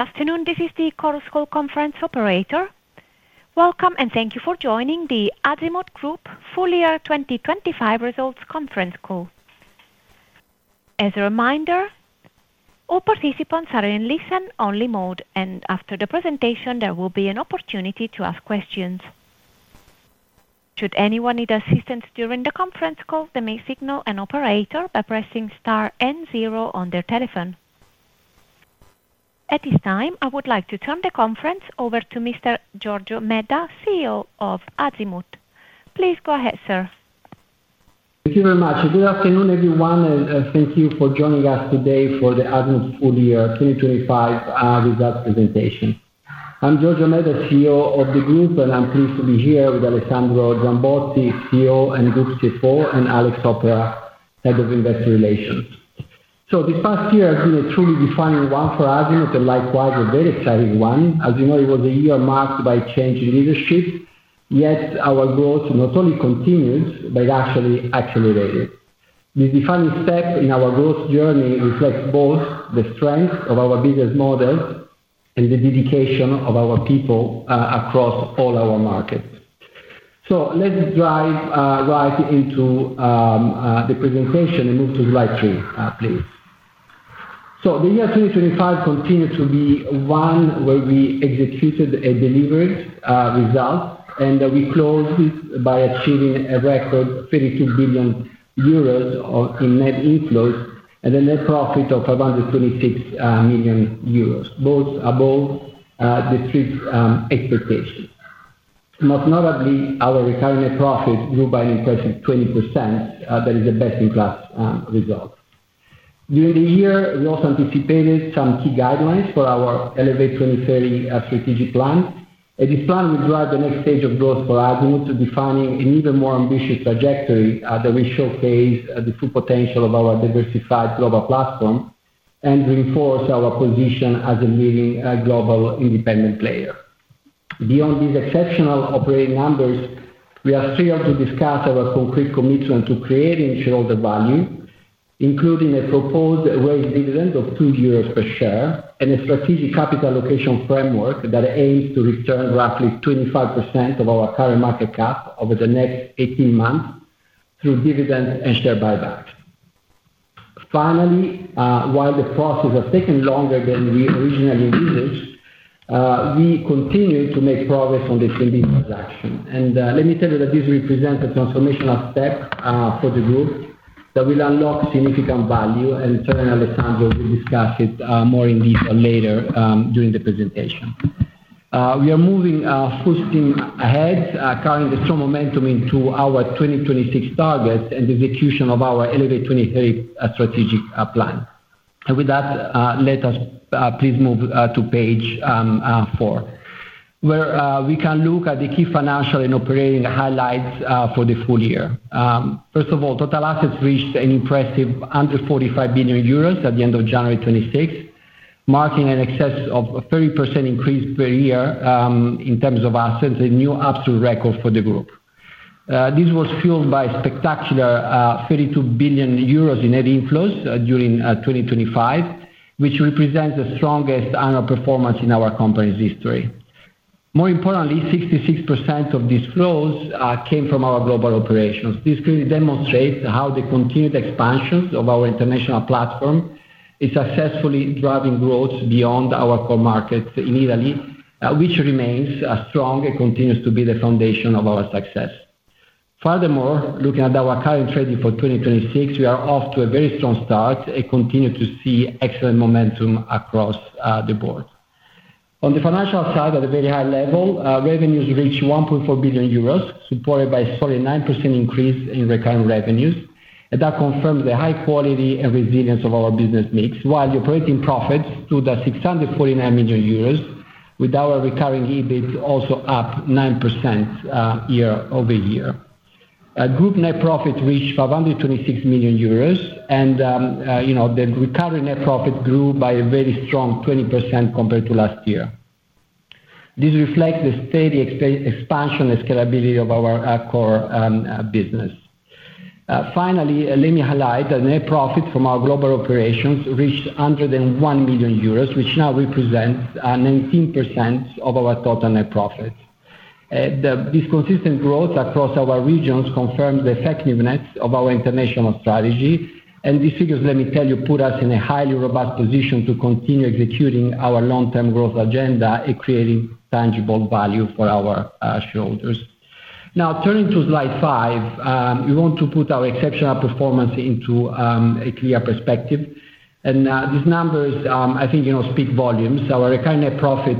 Afternoon. This is the Chorus Call Conference operator. Welcome, and thank you for joining the Azimut Group Full Year 2025 Results Conference Call. As a reminder, all participants are in listen-only mode, and after the presentation, there will be an opportunity to ask questions. Should anyone need assistance during the conference call, they may signal an operator by pressing star and zero on their telephone. At this time, I would like to turn the conference over to Mr. Giorgio Medda, CEO of Azimut. Please go ahead, sir. Thank you very much. Good afternoon, everyone, and thank you for joining us today for the Azimut full year 2025 results presentation. I'm Giorgio Medda, CEO of the group, and I'm pleased to be here with Alessandro Zambotti, CEO and Group CFO, and Alex Soppera, Head of Investor Relations. This past year has been a truly defining one for Azimut and likewise a very exciting one. As you know, it was a year marked by change in leadership, yet our growth not only continued but actually accelerated. The defining step in our growth journey reflects both the strength of our business model and the dedication of our people across all our markets. Let's dive right into the presentation and move to slide 3, please. The year 2025 continued to be one where we executed and delivered results, and we closed it by achieving a record 32 billion euros in net inflows and a net profit of 526 million euros, both above the street expectations. Most notably, our recurring net profit grew by an impressive 20%. That is a best-in-class result. During the year, we also anticipated some key guidelines for our Elevate 2030 strategic plan. This plan will drive the next stage of growth for Azimut to defining an even more ambitious trajectory that will showcase the full potential of our diversified global platform and reinforce our position as a leading global independent player. Beyond these exceptional operating numbers, we are thrilled to discuss our concrete commitment to creating shareholder value, including a proposed raised dividend of 2 euros per share and a strategic capital allocation framework that aims to return roughly 25% of our current market cap over the next 18 months through dividends and share buybacks. Finally, while the processes have taken longer than we originally envisaged, we continue to make progress on the TNB transaction. Let me tell you that this represents a transformational step for the group that will unlock significant value, and certainly Alessandro will discuss it more in detail later during the presentation. We are moving full steam ahead, carrying the strong momentum into our 2026 targets and execution of our Elevate 2030 strategic plan. With that, let us please move to page 4. Where we can look at the key financial and operating highlights for the full year. First of all, total assets reached an impressive under 45 billion euros at the end of January 26th, marking an excess of a 30% increase per year in terms of assets, a new absolute record for the group. This was fueled by spectacular 32 billion euros in net inflows during 2025, which represents the strongest annual performance in our company's history. More importantly, 66% of these flows came from our global operations. This clearly demonstrates how the continued expansions of our international platform is successfully driving growth beyond our core markets in Italy, which remains as strong and continues to be the foundation of our success. Furthermore, looking at our current trading for 2026, we are off to a very strong start and continue to see excellent momentum across the board. On the financial side, at a very high level, revenues reached 1.4 billion euros, supported by a 39% increase in recurring revenues. That confirms the high quality and resilience of our business mix, while the operating profits stood at 649 million euros, with our recurring EBIT also up 9% year-over-year. Group net profit reached 526 million euros and, you know, the recurring net profit grew by a very strong 20% compared to last year. This reflects the steady expansion and scalability of our core business. Finally, let me highlight the net profit from our global operations reached under 1 million euros, which now represents 19% of our total net profit. This consistent growth across our regions confirms the effectiveness of our international strategy. These figures, let me tell you, put us in a highly robust position to continue executing our long-term growth agenda and creating tangible value for our shareholders. Now, turning to slide 5, we want to put our exceptional performance into a clear perspective. These numbers, I think, you know, speak volumes. Our recurring net profit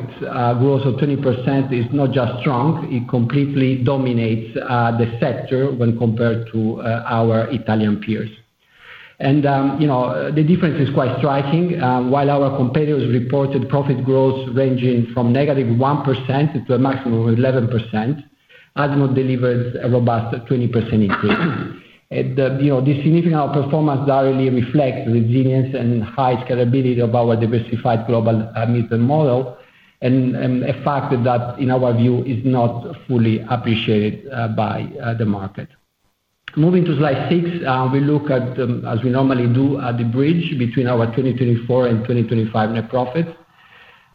growth of 20% is not just strong, it completely dominates the sector when compared to our Italian peers. The difference is quite striking. While our competitors reported profit growth ranging from -1% to a maximum of 11%, Azimut delivered a robust 20% increase. you know, the significant outperformance directly reflects the resilience and high scalability of our diversified global business model and a factor that, in our view, is not fully appreciated by the market. Moving to slide 6, we look at the as we normally do at the bridge between our 2024 and 2025 net profits.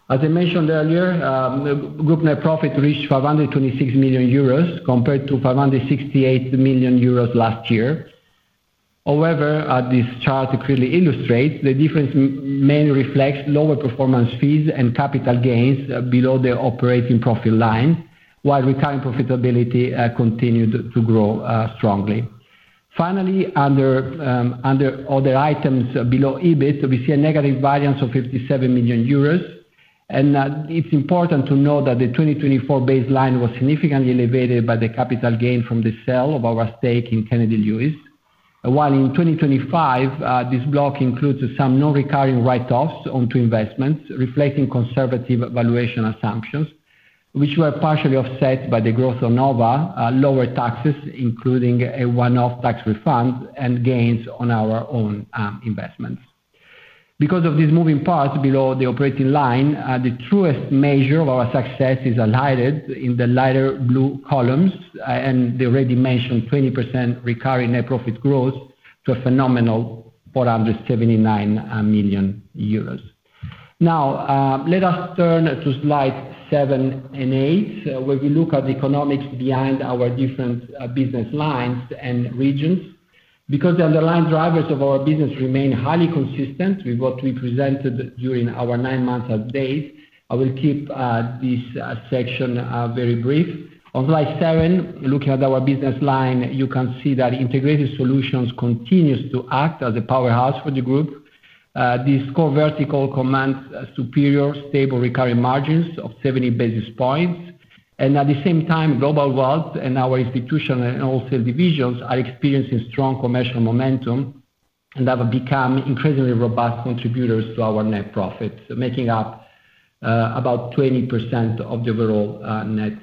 As I mentioned earlier, the group net profit reached 526 million euros compared to 568 million euros last year. However, as this chart clearly illustrates, the difference main reflects lower performance fees and capital gains below the operating profit line, while recurring profitability continued to grow strongly. Finally, under other items below EBIT, we see a negative variance of 57 million euros. It's important to note that the 2024 baseline was significantly elevated by the capital gain from the sale of our stake in Kennedy Lewis. While in 2025, this block includes some non-recurring write-offs onto investments reflecting conservative valuation assumptions, which were partially offset by the growth of Nova, lower taxes, including a one-off tax refund and gains on our own investments. Of this moving part below the operating line, the truest measure of our success is highlighted in the lighter blue columns, and the already mentioned 20% recurring net profit growth to a phenomenal 479 million euros. Now, let us turn to slide 7 and 8, where we look at the economics behind our different business lines and regions. Because the underlying drivers of our business remain highly consistent with what we presented during our 9-month update, I will keep this section very brief. On slide 7, looking at our business line, you can see that Integrated Solutions continues to act as a powerhouse for the Group. This core vertical commands superior stable recurring margins of 70 basis points. At the same time, Global Wealth and our Institution and also divisions are experiencing strong commercial momentum and have become incredibly robust contributors to our net profit, making up about 20% of the overall net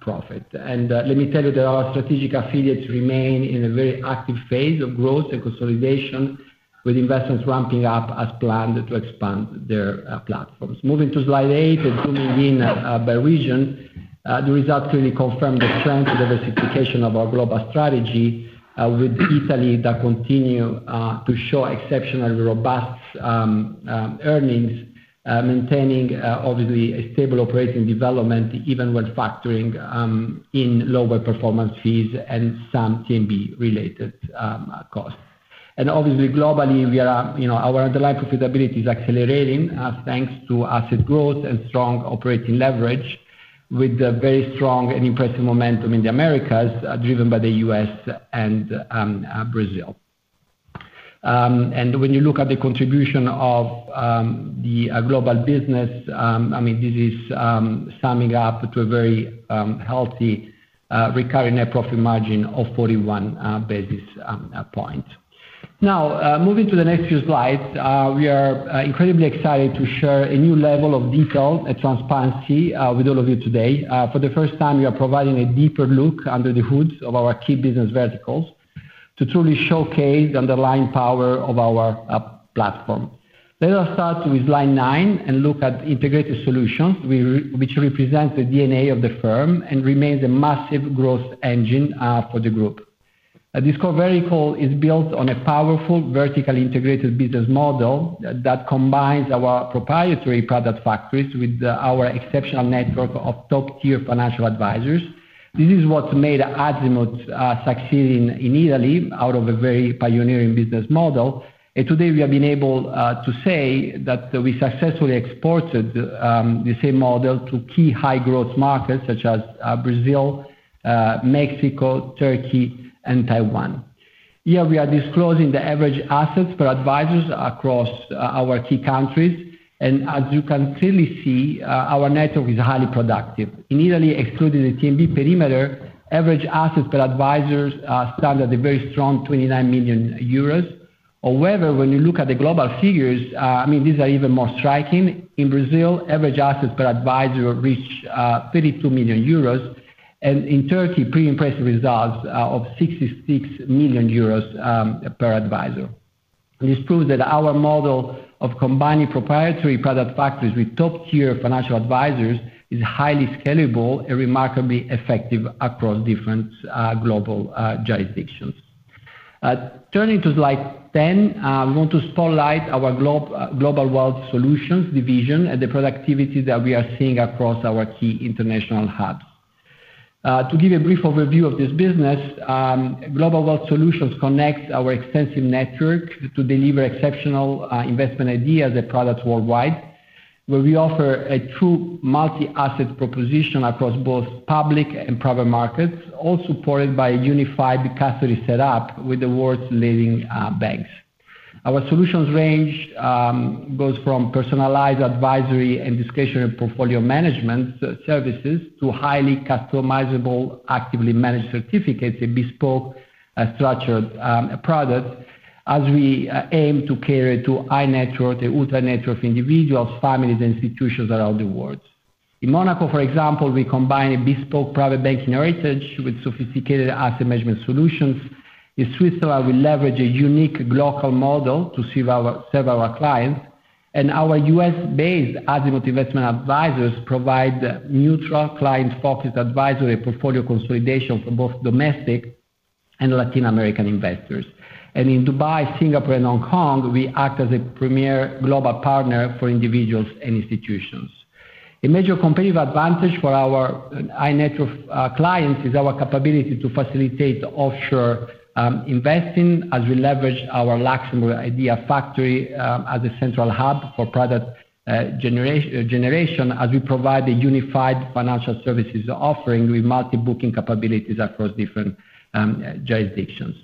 profit. Let me tell you that our strategic affiliates remain in a very active phase of growth and consolidation, with investments ramping up as planned to expand their platforms. Moving to slide eight and zooming in by region, the results really confirm the strength and diversification of our global strategy, with Italy that continue to show exceptionally robust earnings, maintaining obviously a stable operating development even when factoring in lower performance fees and some TNB-related costs. Obviously, globally, we are, you know, our underlying profitability is accelerating thanks to asset growth and strong operating leverage with a very strong and impressive momentum in the Americas, driven by the U.S. and Brazil. When you look at the contribution of the global business, I mean, this is summing up to a very healthy recurring net profit margin of 41 basis points. Moving to the next few slides, we are incredibly excited to share a new level of detail and transparency with all of you today. For the first time, we are providing a deeper look under the hoods of our key business verticals to truly showcase the underlying power of our platform. Let us start with slide 9 and look at Integrated Solutions, which represent the DNA of the firm and remains a massive growth engine for the Group. This core vertical is built on a powerful vertically integrated business model that combines our proprietary product factories with our exceptional network of top-tier financial advisors. This is what's made Azimut succeed in Italy out of a very pioneering business model. Today we have been able to say that we successfully exported the same model to key high growth markets such as Brazil, Mexico, Turkey, and Taiwan. Here, we are disclosing the average assets per advisors across our key countries. As you can clearly see, our network is highly productive. In Italy, excluding the TNB perimeter, average assets per advisors stand at a very strong 29 million euros. When you look at the global figures, I mean, these are even more striking. In Brazil, average assets per advisor reach 32 million euros. In Turkey, pretty impressive results of 66 million euros per advisor. This proves that our model of combining proprietary product factories with top-tier financial advisors is highly scalable and remarkably effective across different global jurisdictions. Turning to slide 10, we want to spotlight our Global Wealth Solutions division and the productivity that we are seeing across our key international hubs. To give a brief overview of this business, Global Wealth Solutions connects our extensive network to deliver exceptional investment ideas and products worldwide, where we offer a true multi-asset proposition across both public and private markets, all supported by a unified custody set up with the world's leading banks. Our solutions range goes from personalized advisory and discretionary portfolio management services to highly customizable, actively managed certificates and bespoke structured products as we aim to cater to high-net-worth to ultra-net-worth individuals, families, and institutions around the world. In Monaco, for example, we combine a bespoke private banking heritage with sophisticated asset management solutions. In Switzerland, we leverage a unique glocal model to serve our clients. Our US-based Azimut Investment Advisors provide neutral client-focused advisory portfolio consolidation for both domestic and Latin American investors. In Dubai, Singapore, and Hong Kong, we act as a premier global partner for individuals and institutions. A major competitive advantage for our high net worth clients is our capability to facilitate offshore investing as we leverage our Luxembourg idea factory as a central hub for product generation, as we provide a unified financial services offering with multi-booking capabilities across different jurisdictions.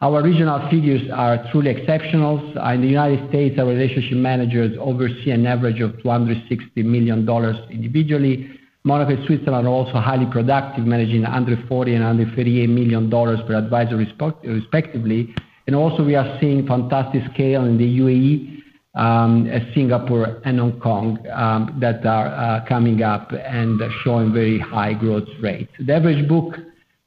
Our regional figures are truly exceptional. In the United States, our relationship managers oversee an average of $260 million individually. Monaco and Switzerland are also highly productive, managing $140 million and $138 million per advisor respectively. Also we are seeing fantastic scale in the UAE, Singapore and Hong Kong that are coming up and showing very high growth rate. The average book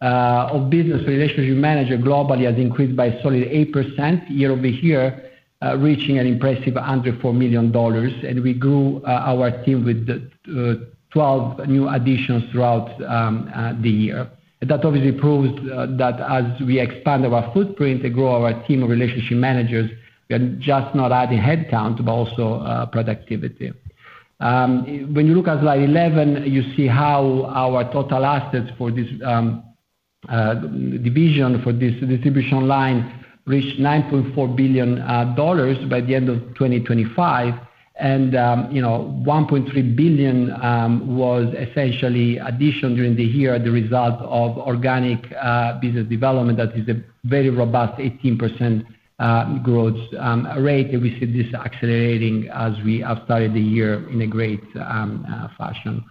of business relationship manager globally has increased by a solid 8% year-over-year, reaching an impressive $104 million. We grew our team with 12 new additions throughout the year. That obviously proves that as we expand our footprint and grow our team of relationship managers, we are just not adding headcount, but also productivity. When you look at slide 11, you see how our total assets for this division, for this distribution line reached $9.4 billion by the end of 2025. You know, $1.3 billion was essentially addition during the year, the result of organic business development. That is a very robust 18% growth rate, and we see this accelerating as we have started the year in a great fashion.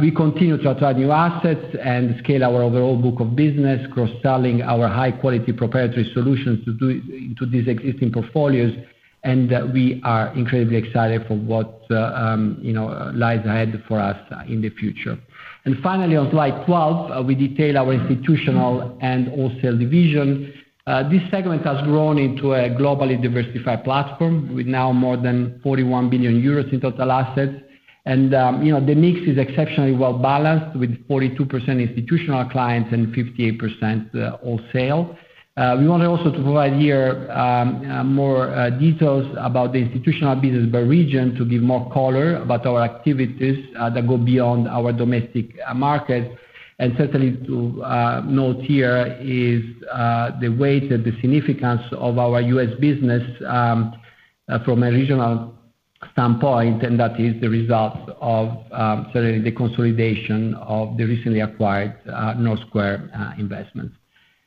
We continue to attract new assets and scale our overall book of business, cross-selling our high-quality proprietary solutions to these existing portfolios, and we are incredibly excited for what, you know, lies ahead for us in the future. Finally, on slide 12, we detail our institutional and wholesale division. This segment has grown into a globally diversified platform, with now more than 41 billion euros in total assets. You know, the mix is exceptionally well-balanced, with 42% institutional clients and 58% wholesale. We wanted also to provide here more details about the institutional business by region to give more color about our activities that go beyond our domestic market. Certainly to note here is the weight and the significance of our U.S. business from a regional standpoint, and that is the result of certainly the consolidation of the recently acquired North Square Investments.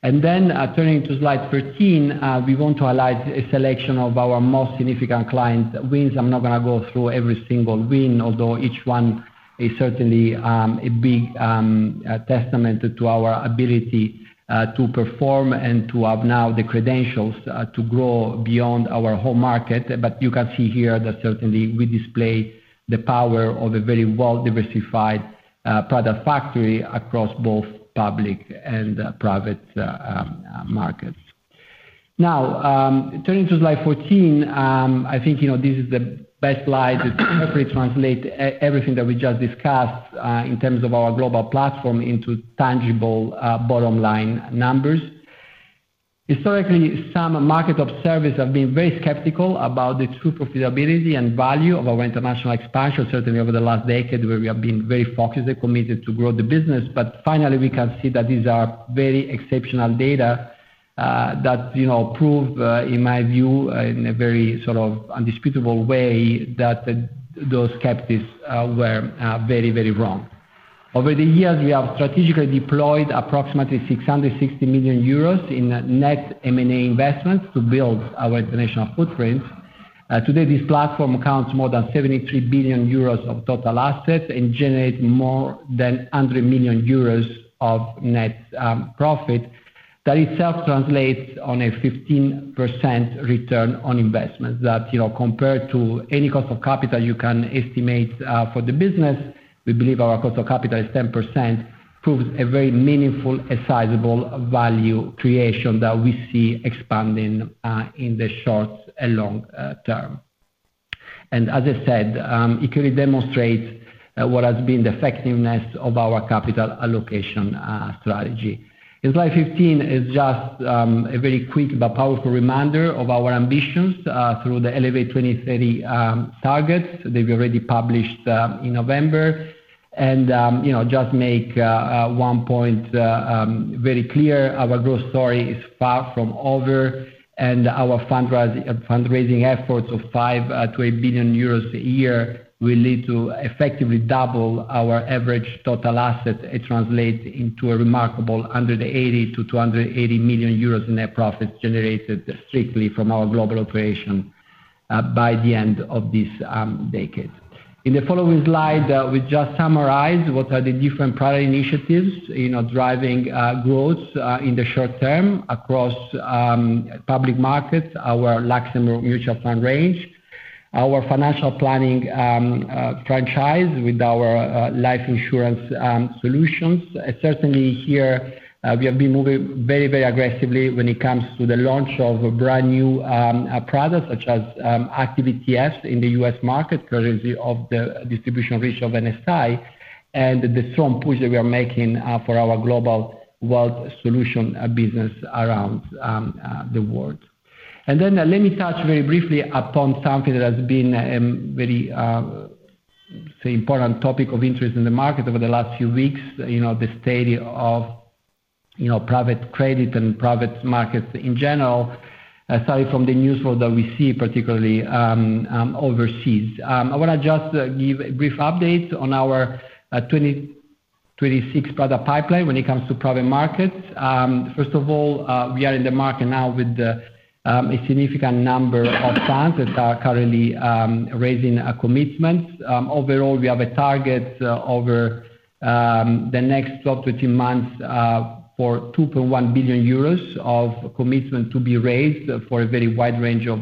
Turning to slide 13, we want to highlight a selection of our most significant client wins. I'm not gonna go through every single win, although each one is certainly a big testament to our ability to perform and to have now the credentials to grow beyond our home market. You can see here that certainly we display the power of a very well-diversified product factory across both public and private markets. Turning to slide 14, I think, you know, this is the best slide to perfectly translate everything that we just discussed in terms of our global platform into tangible bottom-line numbers. Historically, some market observers have been very skeptical about the true profitability and value of our international expansion, certainly over the last decade, where we have been very focused and committed to grow the business. Finally, we can see that these are very exceptional data that, you know, prove, in my view, in a very sort of indisputable way that those skeptics were very, very wrong. Over the years, we have strategically deployed approximately 660 million euros in net M&A investments to build our international footprint. Today, this platform accounts more than 73 billion euros of total assets and generates more than 100 million euros of net profit. That itself translates on a 15% return on investment. That, you know, compared to any cost of capital you can estimate for the business, we believe our cost of capital is 10%, proves a very meaningful and sizable value creation that we see expanding in the short and long term. As I said, it clearly demonstrates what has been the effectiveness of our capital allocation strategy. In slide 15 is just a very quick but powerful reminder of our ambitions through the Elevate 2030 targets that we already published in November. you know, just make one point very clear, our growth story is far from over, and our fundraising efforts of 5 billion-8 billion euros a year will lead to effectively double our average total asset. It translates into a remarkable 180 million-280 million euros in net profits generated strictly from our global operation by the end of this decade. In the following slide, we just summarize what are the different product initiatives, you know, driving growth in the short term across public markets, our Luxembourg mutual fund range, our financial planning franchise with our life insurance solutions. Certainly here, we have been moving very, very aggressively when it comes to the launch of a brand-new product such as active ETFs in the U.S. market courtesy of the distribution reach of NSI. The strong push that we are making for our Global Wealth Solutions business around the world. Let me touch very briefly upon something that has been very, say important topic of interest in the market over the last few weeks, you know, the state of, you know, private credit and private markets in general, aside from the news flow that we see particularly overseas. I wanna just give a brief update on our 2026 product pipeline when it comes to private markets. First of all, we are in the market now with a significant number of funds that are currently raising a commitment. Overall, we have a target over the next 12 to 18 months for 2.1 billion euros of commitment to be raised for a very wide range of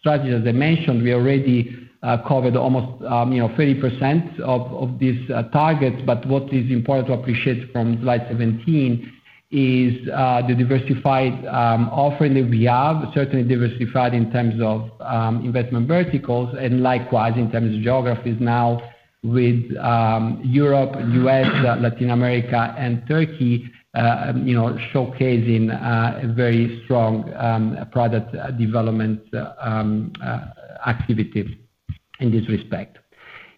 strategies. As I mentioned, we already covered almost, you know, 30% of this target. What is important to appreciate from slide 17 is the diversified offering that we have, certainly diversified in terms of investment verticals, and likewise in terms of geographies now with Europe, US, Latin America and Turkey, you know, showcasing a very strong product development activity in this respect.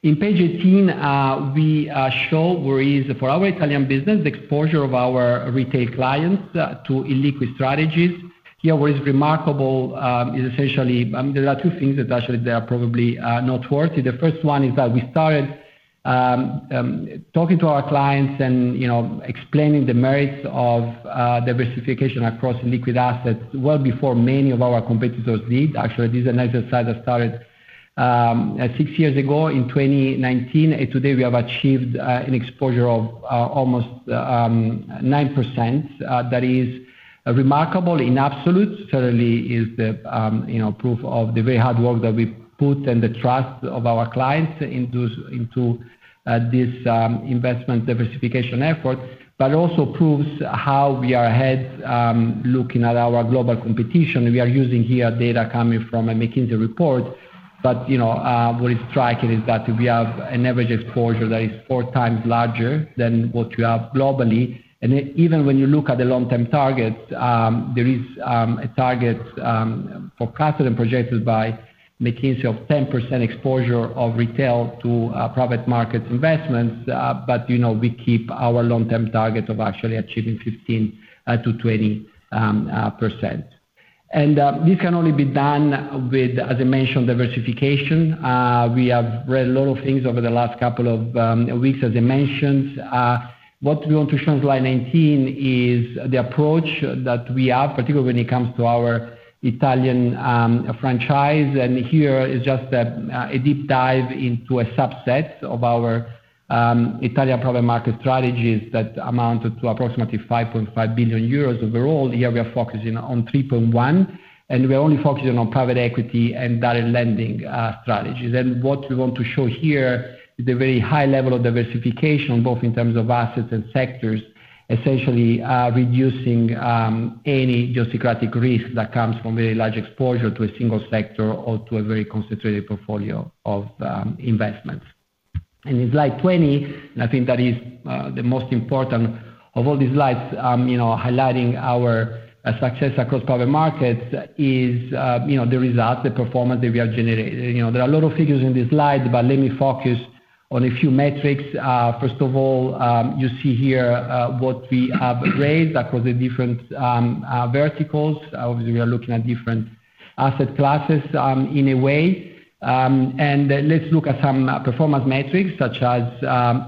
In page 18, we show where is for our Italian business, the exposure of our retail clients to illiquid strategies. Here what is remarkable is essentially, there are two things that actually they are probably noteworthy. The first one is that we started talking to our clients and, you know, explaining the merits of diversification across liquid assets well before many of our competitors did. This is an exercise that started 6 years ago in 2019. Today, we have achieved an exposure of almost 9%. That is remarkable in absolute. Certainly is the, you know, proof of the very hard work that we put and the trust of our clients into this investment diversification effort, also proves how we are ahead looking at our global competition. We are using here data coming from a McKinsey report. You know, what is striking is that we have an average exposure that is 4x larger than what you have globally. Even when you look at the long-term target, there is a target for profit and projected by McKinsey of 10% exposure of retail to private market investments. But you know, we keep our long-term target of actually achieving 15%-20%. This can only be done with, as I mentioned, diversification. We have read a lot of things over the last couple of weeks, as I mentioned. What we want to show in slide 19 is the approach that we have, particularly when it comes to our Italian franchise. Here is just a deep dive into a subset of our Italian private market strategies that amounted to approximately 5.5 billion euros overall. Here we are focusing on 3.1, and we are only focusing on private equity and direct lending strategies. What we want to show here is the very high level of diversification, both in terms of assets and sectors, essentially reducing any geographic risk that comes from very large exposure to a single sector or to a very concentrated portfolio of investments. In slide 20, and I think that is the most important of all these slides, you know, highlighting our success across private markets is, you know, the result, the performance that we are generating. You know, there are a lot of figures in this slide, but let me focus on a few metrics. First of all, you see here what we have raised across the different verticals. Obviously, we are looking at different asset classes in a way. Let's look at some performance metrics such as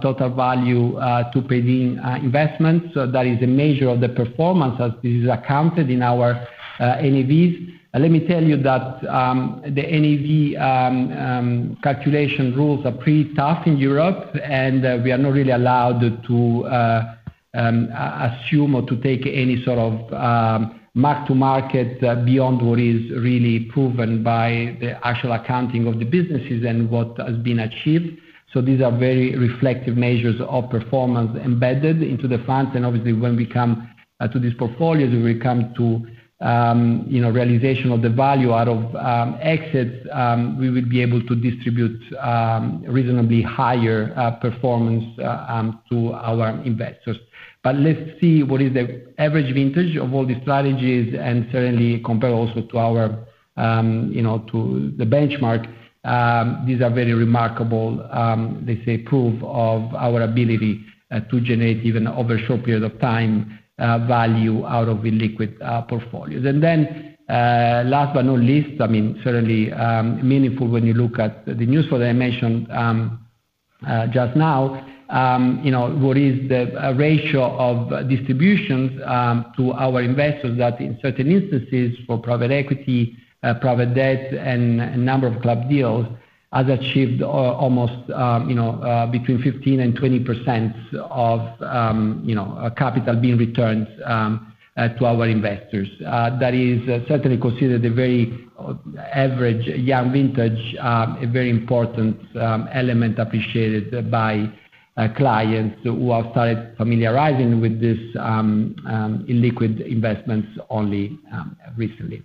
total value to paying investments. That is a measure of the performance as it is accounted in our NAVs. Let me tell you that the NAV calculation rules are pretty tough in Europe, and we are not really allowed to assume or to take any sort of mark to market beyond what is really proven by the actual accounting of the businesses and what has been achieved. These are very reflective measures of performance embedded into the funds. Obviously when we come to these portfolios, we come to, you know, realization of the value out of exits, we will be able to distribute reasonably higher performance to our investors. Let's see, what is the average vintage of all these strategies, and certainly compare also to our, you know, to the benchmark. These are very remarkable, they say proof of our ability to generate even over a short period of time, value out of illiquid portfolios. Last but not least, I mean, certainly, meaningful when you look at the news flow that I mentioned just now, you know, what is the ratio of distributions to our investors that in certain instances for private equity, private debt and a number of club deals has achieved almost, you know, between 15% and 20% of, you know, capital being returned to our investors. That is certainly considered a very average young vintage, a very important element appreciated by clients who have started familiarizing with this illiquid investments only recently.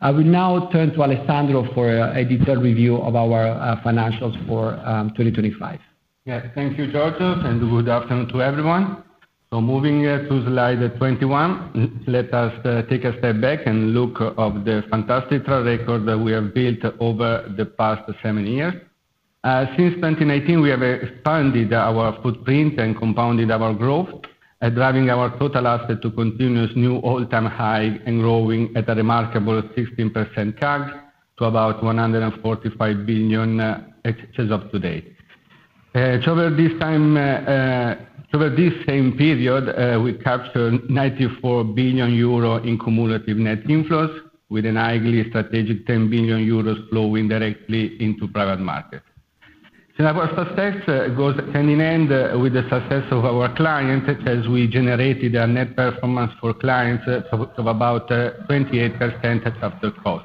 I will now turn to Alessandro for a detailed review of our financials for 2025. Yeah. Thank you, Giorgio, and good afternoon to everyone. Moving to slide 21, let us take a step back and look of the fantastic track record that we have built over the past 7 years. Since 2019, we have expanded our footprint and compounded our growth, driving our total asset to continuous new all-time high and growing at a remarkable 16% CAGR to about 145 billion as of today. Over this time, over this same period, we captured 94 billion euro in cumulative net inflows with an highly strategic 10 billion euros flowing directly into private market. Our success goes hand-in-hand with the success of our clients as we generated a net performance for clients of about 28% after cost.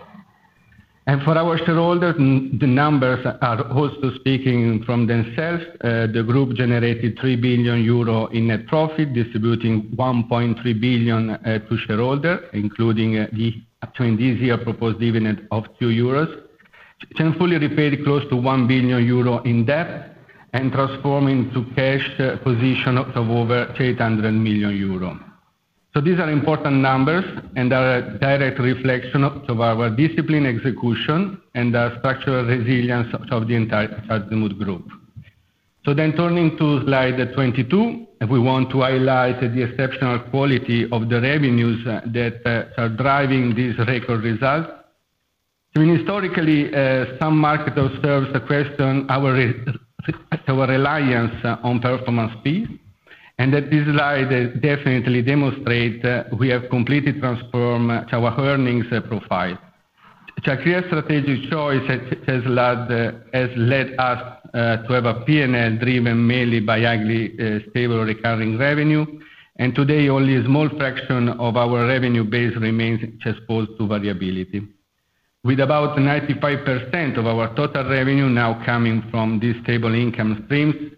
For our shareholders, the numbers are also speaking from themselves. The group generated 3 billion euro in net profit, distributing 1.3 billion to shareholder, including the actual this year proposed dividend of 2 euros, and fully repaid close to 1 billion euro in debt and transforming to cash position of over 800 million euro. These are important numbers and are a direct reflection of our discipline, execution and the structural resilience of the entire Azimut Group. Turning to slide 22, we want to highlight the exceptional quality of the revenues that are driving these record results. I mean, historically, some market observes the question our reliance on performance fees, that this slide definitely demonstrate we have completely transformed our earnings profile. It's a clear strategic choice that has led us to have a P&L driven mainly by highly stable recurring revenue. Today, only a small fraction of our revenue base remains exposed to variability. With about 95% of our total revenue now coming from this stable income stream,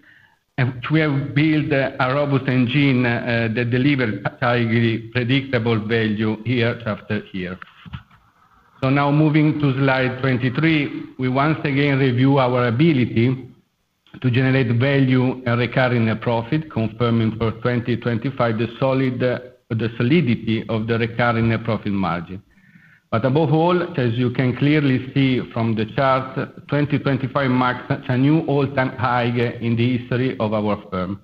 and we have built a robust engine that deliver a highly predictable value year after year. Now moving to slide 23, we once again review our ability to generate value and recurring profit, confirming for 2025 the solidity of the recurring net profit margin. Above all, as you can clearly see from the chart, 2025 marks a new all-time high in the history of our firm.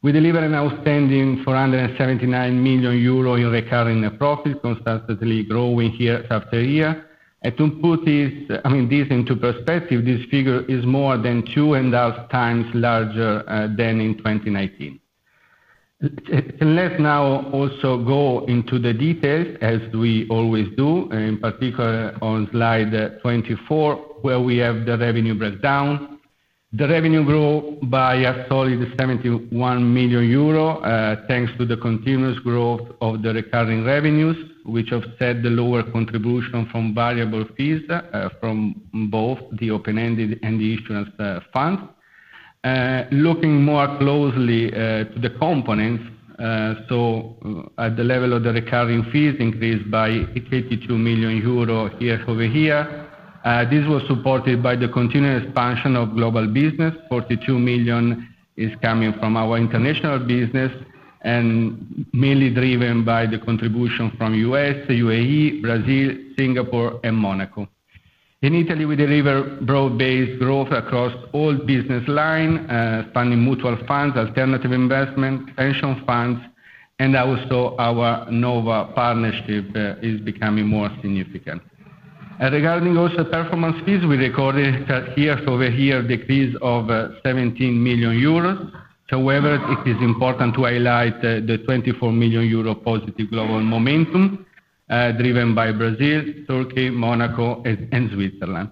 We deliver an outstanding 479 million euro in recurring net profit, constantly growing year after year. To put this, I mean, this into perspective, this figure is more than two and a half times larger than in 2019. Let's now also go into the details as we always do, in particular on slide 24, where we have the revenue breakdown. The revenue grow by a solid 71 million euro thanks to the continuous growth of the recurring revenues, which offset the lower contribution from variable fees from both the open-ended and the insurance funds. Looking more closely to the components, at the level of the recurring fees increased by 82 million euro year-over-year. This was supported by the continuous expansion of global business. 42 million is coming from our international business and mainly driven by the contribution from U.S., U.A.E., Brazil, Singapore and Monaco. In Italy, we deliver broad-based growth across all business line, spanning mutual funds, alternative investment, pension funds, and also our Nova partnership is becoming more significant. Regarding also performance fees, we recorded a year-over-year decrease of 17 million euros. It is important to highlight the 24 million euro positive global momentum, driven by Brazil, Turkey, Monaco, and Switzerland.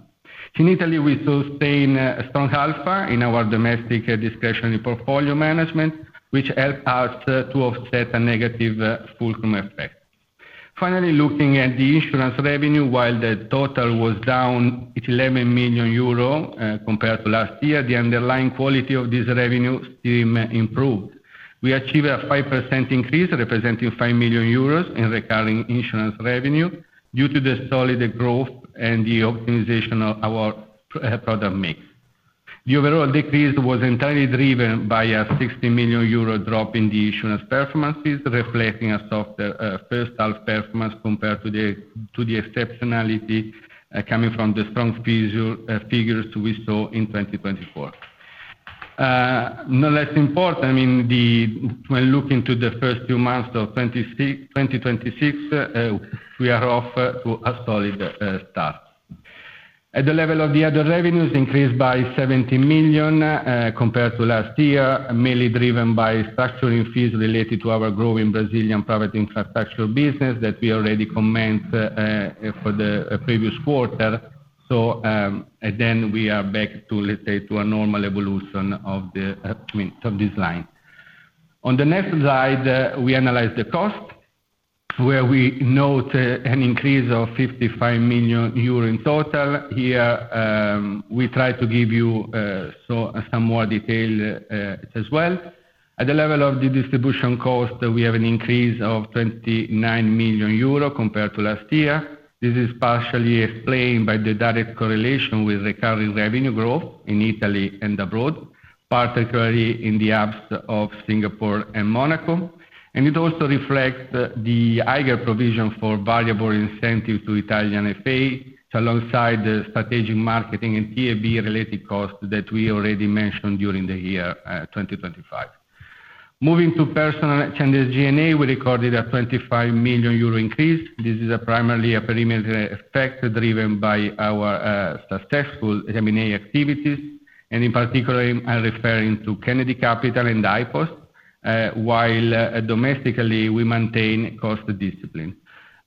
In Italy, we sustain strong alpha in our domestic discretionary portfolio management, which help us to offset a negative fulcrum effect. Looking at the insurance revenue, while the total was down at 11 million euro compared to last year, the underlying quality of this revenue stream improved. We achieved a 5% increase, representing 5 million euros in recurring insurance revenue due to the solid growth and the optimization of our product mix. The overall decrease was entirely driven by a 60 million euro drop in the insurance performance fees, reflecting a softer, first half performance compared to the exceptionality, coming from the strong figures we saw in 2024. No less important, I mean, when looking to the first two months of 2026, we are off to a solid start. At the level of the other revenues increased by 70 million, compared to last year, mainly driven by structuring fees related to our growing Brazilian private infrastructure business that we already comment for the previous quarter. We are back to, let's say, to a normal evolution of the, I mean, of this line. On the next slide, we analyze the cost, where we note an increase of 55 million euro in total. Here, we try to give you so some more detail as well. At the level of the distribution cost, we have an increase of 29 million euro compared to last year. This is partially explained by the direct correlation with recurring revenue growth in Italy and abroad, particularly in the apps of Singapore and Monaco. It also reflects the higher provision for variable incentive to Italian FA, alongside the strategic marketing and TNB related costs that we already mentioned during the year 2025. Moving to personal and G&A, we recorded a 25 million euro increase. This is primarily a perimeter effect driven by our successful M&A activities, and in particular I'm referring to Kennedy Capital and Aperio's, while domestically we maintain cost discipline.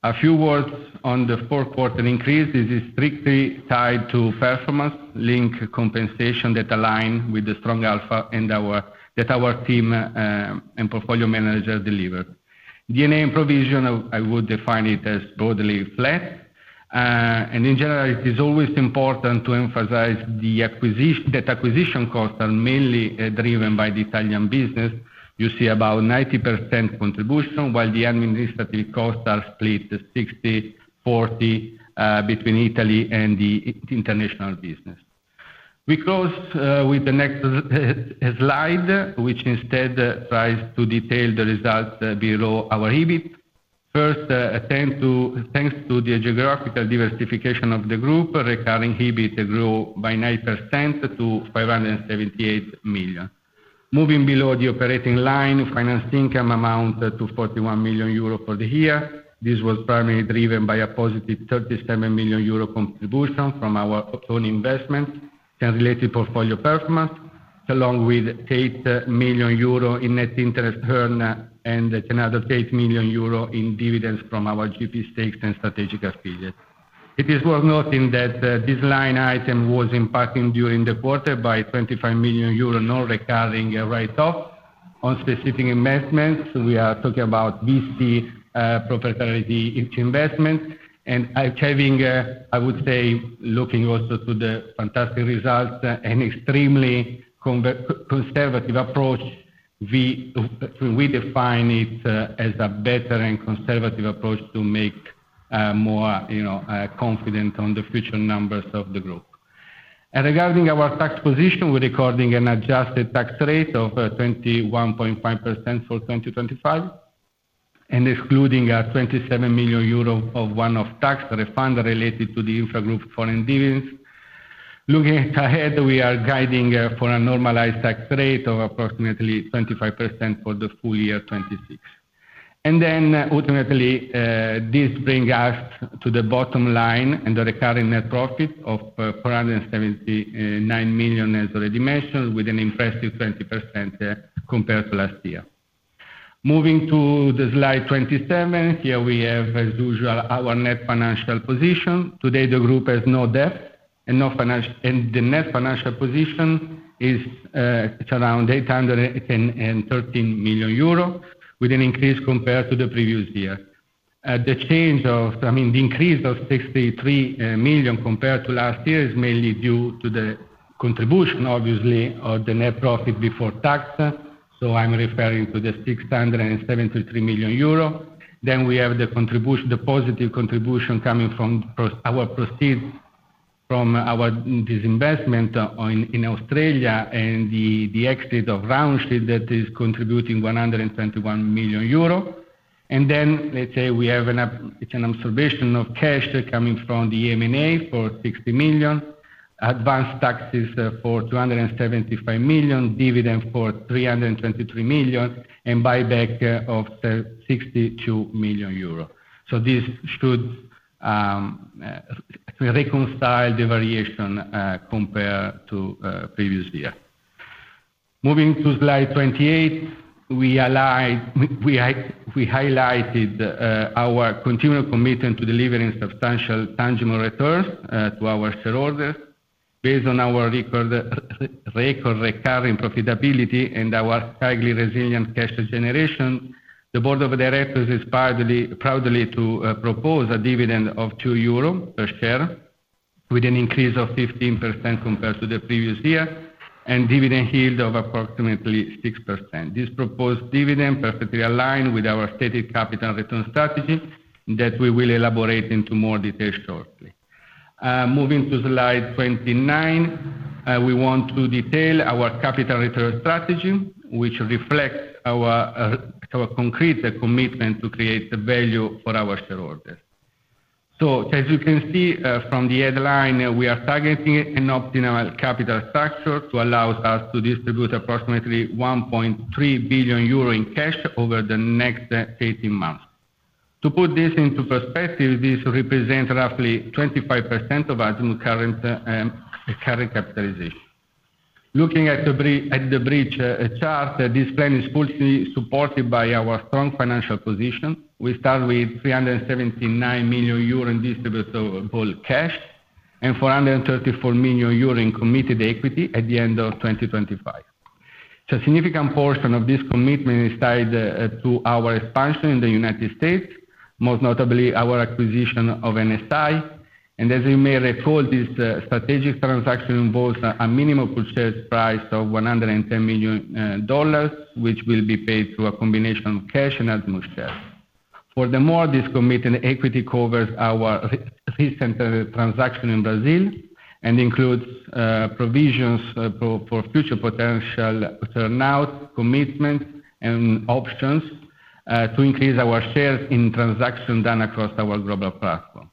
A few words on the Q4 increase. This is strictly tied to performance link compensation that align with the strong alpha and that our team and portfolio manager deliver. D&A and provision, I would define it as broadly flat. In general, it is always important to emphasize that acquisition costs are mainly driven by the Italian business. You see about 90% contribution, while the administrative costs are split 60/40 between Italy and the international business. We close with the next slide, which instead tries to detail the results below our EBIT. First, thanks to the geographical diversification of the group, recurring EBIT grew by 9% to 578 million. Moving below the operating line, finance income amount to 41 million euro for the year. This was primarily driven by a positive 37 million euro contribution from our own investment and related portfolio performance, along with 8 million euro in net interest earned, and another 8 million euro in dividends from our GP stakes and strategic affiliates. It is worth noting that this line item was impacting during the quarter by 25 million euros, non-recurring, write-off on specific investments. We are talking about VC proprietary investment. Achieving, I would say, looking also to the fantastic results, an extremely conservative approach, we define it as a better and conservative approach to make more, you know, confident on the future numbers of the group. Regarding our tax position, we're recording an adjusted tax rate of 21.5% for 2025. Excluding our 27 million euro of one-off tax refund related to the infragroup foreign dividends. Looking ahead, we are guiding for a normalized tax rate of approximately 25% for the full year 2026. Then ultimately, this bring us to the bottom line and the recurring net profit of 479 million as already mentioned, with an impressive 20% compared to last year. Moving to slide 27. Here we have, as usual, our net financial position. Today, the group has no debt and no financial. The net financial position is, it's around 813 million euros, with an increase compared to the previous year. The change of... I mean, the increase of 63 million compared to last year is mainly due to the contribution, obviously, of the net profit before tax. I'm referring to the 673 million euro. We have the contribution, the positive contribution coming from our proceeds from our disinvestment in Australia and the exit of Round-Table that is contributing 121 million euro. Let's say we have an absorption of cash coming from the M&A for 60 million, advanced taxes for 275 million, dividend for 323 million, and buyback of 62 million euro. This should reconcile the variation compared to previous year. Moving to slide 28. We highlighted our continual commitment to delivering substantial tangible returns to our shareholders based on our record recurring profitability and our highly resilient cash generation. The board of directors is proudly to propose a dividend of 2 euro per share with an increase of 15% compared to the previous year and dividend yield of approximately 6%. This proposed dividend perfectly align with our stated capital return strategy that we will elaborate into more detail shortly. Moving to slide 29. We want to detail our capital return strategy, which reflects our concrete commitment to create value for our shareholders. As you can see from the headline, we are targeting an optimal capital structure to allow us to distribute approximately 1.3 billion euro in cash over the next 18 months. To put this into perspective, this represent roughly 25% of our current current capitalization. Looking at the bridge chart, this plan is fully supported by our strong financial position. We start with 379 million euro in distributable cash. 434 million euro in committed equity at the end of 2025. A significant portion of this commitment is tied to our expansion in the U.S., most notably our acquisition of NSI. As you may recall, this strategic transaction involves a minimum purchase price of $110 million, which will be paid through a combination of cash and Azimut shares. Furthermore, this commitment equity covers our recent transaction in Brazil and includes provisions for future potential turnout, commitment, and options to increase our shares in transaction done across our global platform.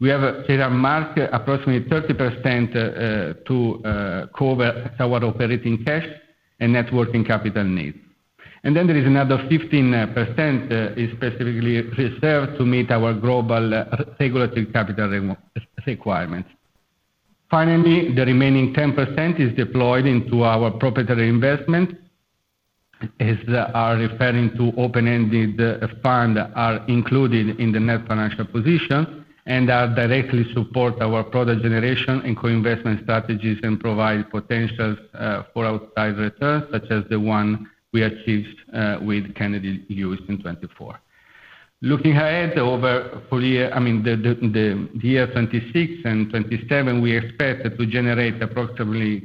We have set aside approximately 30% to cover our operating cash and net working capital needs. There is another 15% is specifically reserved to meet our global regulatory capital requirements. Finally, the remaining 10% is deployed into our proprietary investment, as are referring to open-ended fund are included in the net financial position and directly support our product generation and co-investment strategies and provide potentials for outside returns, such as the one we achieved with Kennedy Lewis in 2024. Looking ahead over full year... I mean, the year 2026 and 2027, we expect to generate approximately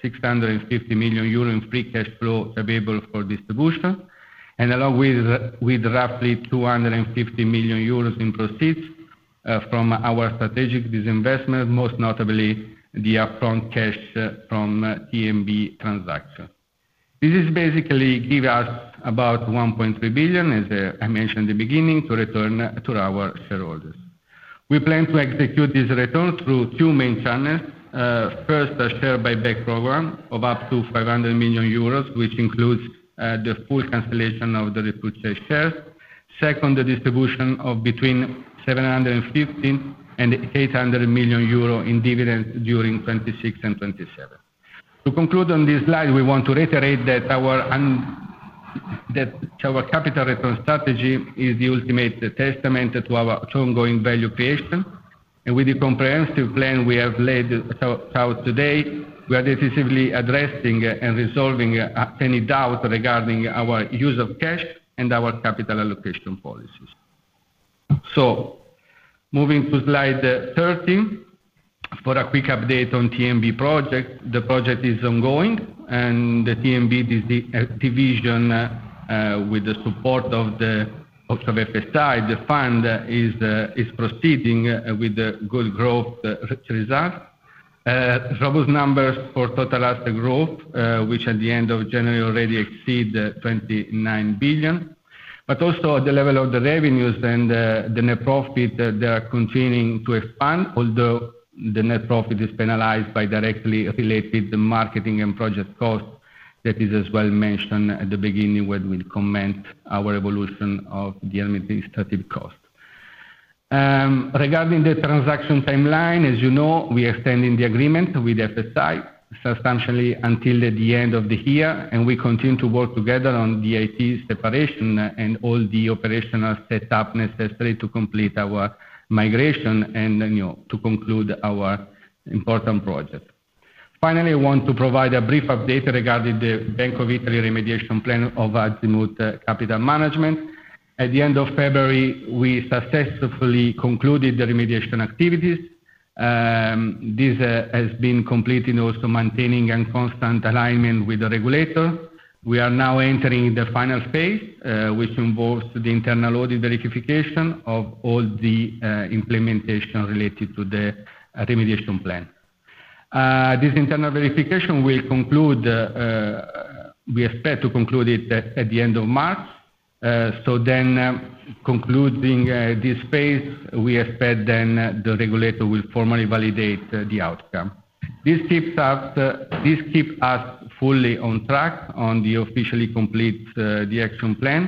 650 million euro in free cash flow available for distribution. Along with roughly 250 million euros in proceeds from our strategic disinvestment, most notably the upfront cash from TNB transaction. This is basically give us about 1.3 billion, as I mentioned at the beginning, to return to our shareholders. We plan to execute this return through two main channels. First, a share buyback program of up to 500 million euros, which includes the full cancellation of the repurchase shares. Second, the distribution of between 715 million and 800 million euro in dividends during 2026 and 2027. To conclude on this slide, we want to reiterate that our capital return strategy is the ultimate testament to our ongoing value creation. With the comprehensive plan we have laid out today, we are decisively addressing and resolving any doubt regarding our use of cash and our capital allocation policies. Moving to slide 13, for a quick update on TNB project. The project is ongoing and the TNB division, with the support of FSI, the fund is proceeding with a good growth result. Robust numbers for total asset growth, which at the end of January already exceed 29 billion. Also at the level of the revenues and the net profit, they are continuing to expand. Although the net profit is penalized by directly affiliated marketing and project costs, that is as well mentioned at the beginning when we comment our evolution of the administrative costs. Regarding the transaction timeline, as you know, we are extending the agreement with FSI substantially until the end of the year, and we continue to work together on the IT separation and all the operational setup necessary to complete our migration and, you know, to conclude our important project. Finally, I want to provide a brief update regarding the Bank of Italy remediation plan of Azimut Capital Management. At the end of February, we successfully concluded the remediation activities. This has been completed also maintaining a constant alignment with the regulator. We are now entering the final phase, which involves the internal audit verification of all the implementation related to the remediation plan. This internal verification will conclude, we expect to conclude it at the end of March. Concluding this phase, we expect then the regulator will formally validate the outcome. This keeps us fully on track on the officially complete the action plan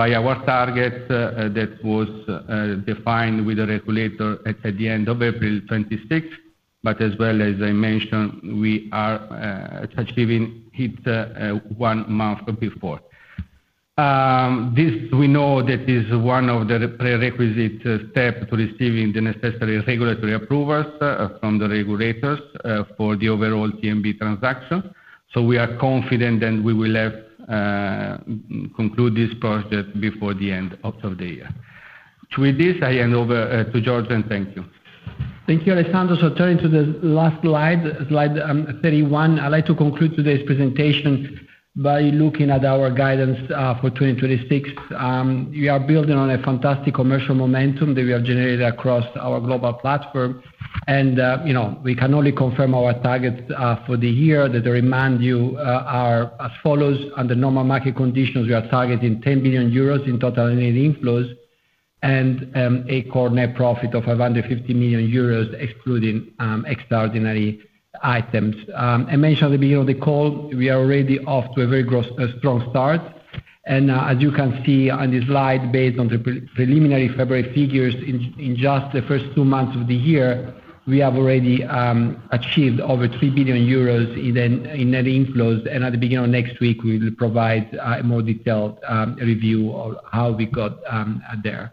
by our target that was defined with the regulator at the end of April 2026. As I mentioned, we are achieving it 1 month before. This we know that is 1 of the prerequisite steps to receiving the necessary regulatory approvals from the regulators for the overall TNB transaction. We are confident that we will have conclude this project before the end of the year. With this, I hand over to Giorgio, thank you. Thank you, Alessandro. Turning to the last slide 31. I'd like to conclude today's presentation by looking at our guidance for 2026. We are building on a fantastic commercial momentum that we have generated across our global platform. You know, we can only confirm our target for the year that I remind you are as follows: Under normal market conditions, we are targeting 10 billion euros in total net inflows and a core net profit of 550 million euros excluding extraordinary items. I mentioned at the beginning of the call we are already off to a very strong start. As you can see on the slide, based on the preliminary February figures, in just the first 2 months of the year, we have already achieved over 3 billion euros in net inflows. At the beginning of next week, we will provide a more detailed review of how we got there.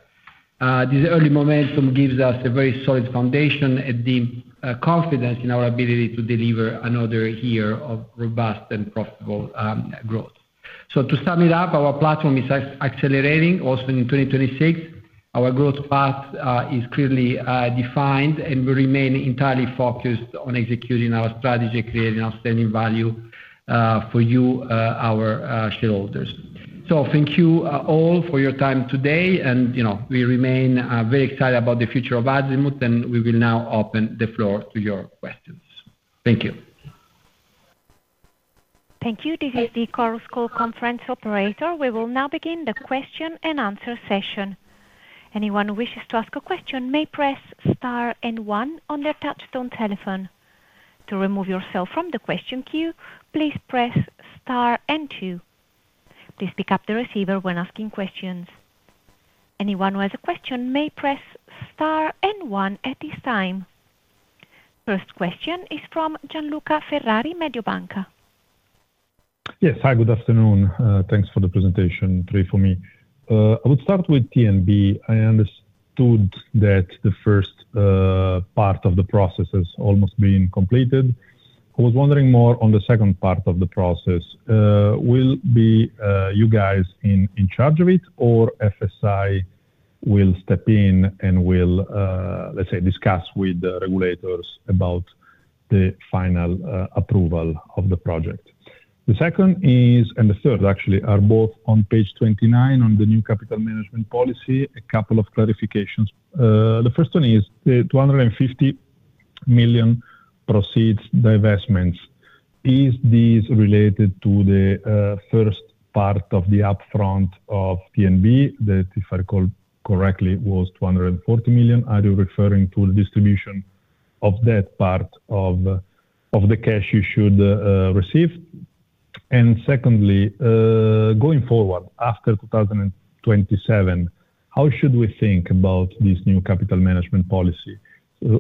This early momentum gives us a very solid foundation and deep confidence in our ability to deliver another year of robust and profitable growth. To sum it up, our platform is accelerating also in 2026. Our growth path is clearly defined, and we remain entirely focused on executing our strategy, creating outstanding value for you, our shareholders. Thank you all for your time today and, you know, we remain very excited about the future of Azimut, and we will now open the floor to your questions. Thank you. Thank you. This is the Chorus Call conference operator. We will now begin the question-and-answer session. Anyone who wishes to ask a question may press Star and One on their touch-tone telephone. To remove yourself from the question queue, please press Star and Two. Please pick up the receiver when asking questions. Anyone who has a question may press Star and One at this time. First question is from Gianluca Ferrari, Mediobanca. Yes. Hi, good afternoon. thanks for the presentation. Three for me. I would start with TNB. I understood that the first part of the process is almost being completed. I was wondering more on the second part of the process. will be you guys in charge of it, or FSI will step in and will, let's say, discuss with the regulators about the final approval of the project? The second is. The third actually are both on page 29 on the new capital management policy. A couple of clarifications. The first one is the 250 million proceeds divestments. Is this related to the first part of the upfront of TNB, that if I recall correctly, was 240 million? Are you referring to the distribution of that part of the cash you should receive? Secondly, going forward, after 2027, how should we think about this new capital management policy?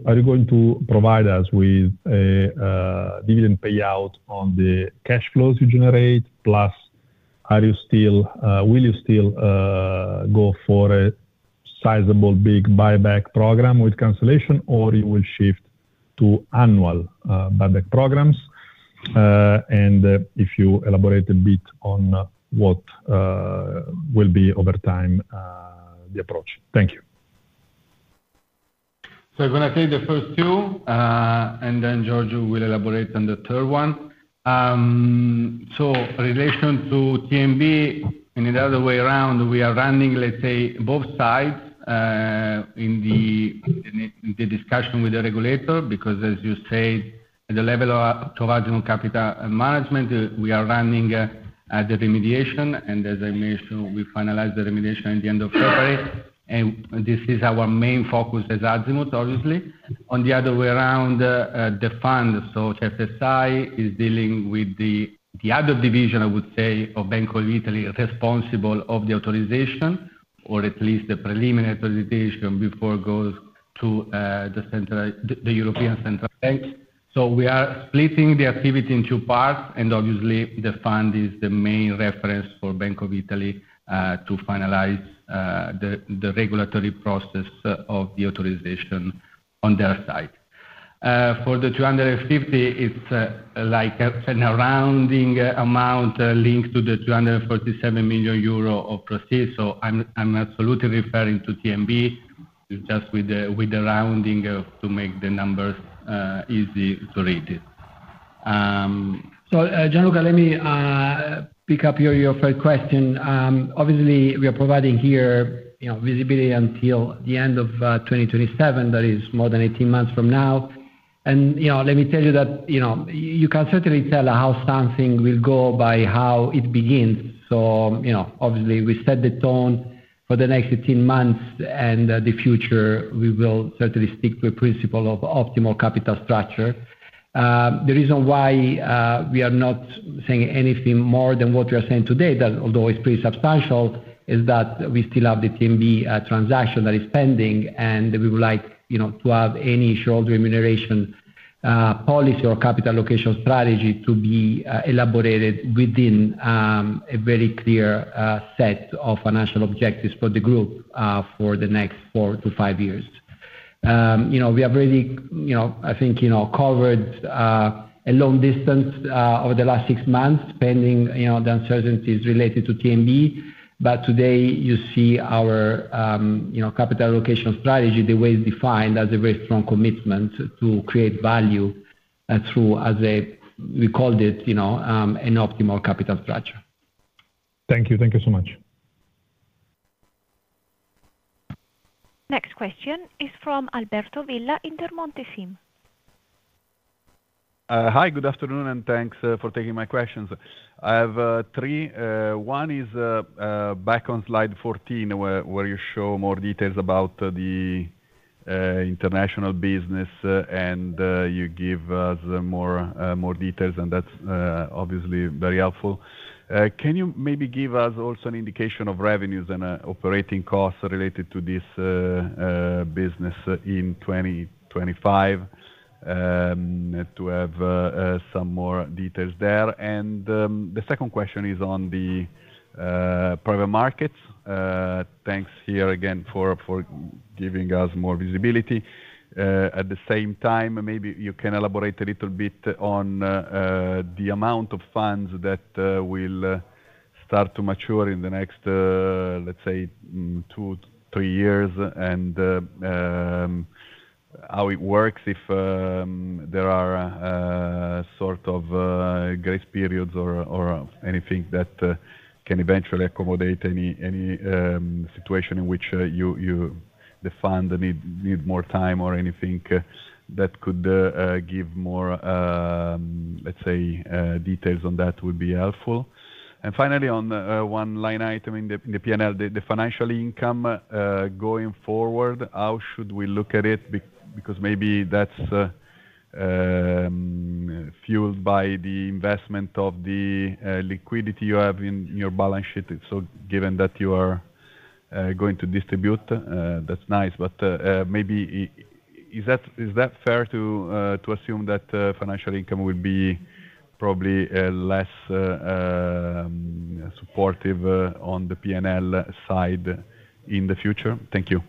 Are you going to provide us with a dividend payout on the cash flows you generate? Plus, will you still go for a sizable big buyback program with cancellation or you will shift to annual buyback programs? If you elaborate a bit on what will be over time the approach. Thank you. I'm gonna take the first two, and then Giorgio will elaborate on the third one. Relation to TNB, in the other way around, we are running, let's say, both sides, in the discussion with the regulator, because as you said, at the level of total capital management, we are running the remediation, and as I mentioned, we finalize the remediation at the end of February, and this is our main focus as Azimut, obviously. On the other way around, the fund, FSI is dealing with the other division, I would say, of Bank of Italy responsible of the authorization, or at least the preliminary authorization before it goes to the European Central Bank. We are splitting the activity in two parts, obviously, the fund is the main reference for Bank of Italy to finalize the regulatory process of the authorization on their side. For the 250, it's like a surrounding amount linked to 247 million euro of proceeds. I'm absolutely referring to TNB, just with the rounding of to make the numbers easy to read. Gianluca, let me pick up your first question. Obviously we are providing here, you know, visibility until the end of 2027. That is more than 18 months from now. You know, let me tell you that, you know, you can certainly tell how something will go by how it begins. You know, obviously, we set the tone for the next 18 months, and the future we will certainly stick to the principle of optimal capital structure. The reason why we are not saying anything more than what we are saying today, that although it's pretty substantial, is that we still have the TNB transaction that is pending, and we would like, you know, to have any shareholder remuneration policy or capital allocation strategy to be elaborated within a very clear set of financial objectives for the group for the next 4-5 years. You know, we have already, you know, I think, you know, covered a long distance over the last 6 months, pending, you know, the uncertainties related to TNB. Today you see our, you know, capital allocation strategy, the way it's defined as a very strong commitment to create value, through, as a, we called it, you know, an optimal capital structure. Thank you. Thank you so much. Next question is from Alberto Villa, Intermonte SIM. Hi, good afternoon, and thanks for taking my questions. I have 3. One is back on slide 14 where you show more details about the international business, and you give us more details, and that's obviously very helpful. Can you maybe give us also an indication of revenues and operating costs related to this business in 2025 to have some more details there? The second question is on the private markets. Thanks here again for giving us more visibility. At the same time, maybe you can elaborate a little bit on the amount of funds that will Start to mature in the next, let's say, two, three years. How it works if there are sort of grace periods or anything that can eventually accommodate any situation in which the fund need more time or anything that could give more, let's say, details on that would be helpful. Finally, on the one line item in the P&L, the financial income going forward, how should we look at it? Because maybe that's fueled by the investment of the liquidity you have in your balance sheet. Given that you are going to distribute, that's nice, but maybe is that, is that fair to assume that financial income will be probably less supportive on the P&L side in the future? Thank you.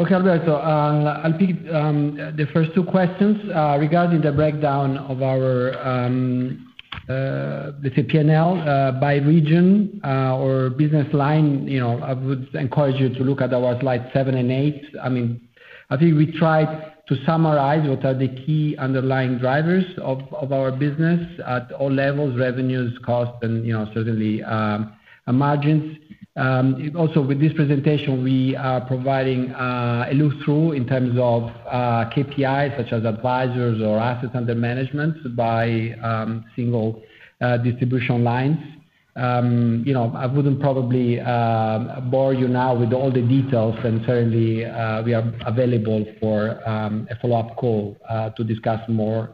Okay. I'll pick the first two questions regarding the breakdown of our, let's say P&L, by region or business line. You know, I would encourage you to look at our slide 7 and 8. I mean, I think we tried to summarize what are the key underlying drivers of our business at all levels, revenues, costs, and, you know, certainly, margins. Also with this presentation, we are providing a look through in terms of KPIs such as advisors or assets under management by single distribution lines. You know, I wouldn't probably bore you now with all the details, and certainly, we are available for a follow-up call to discuss more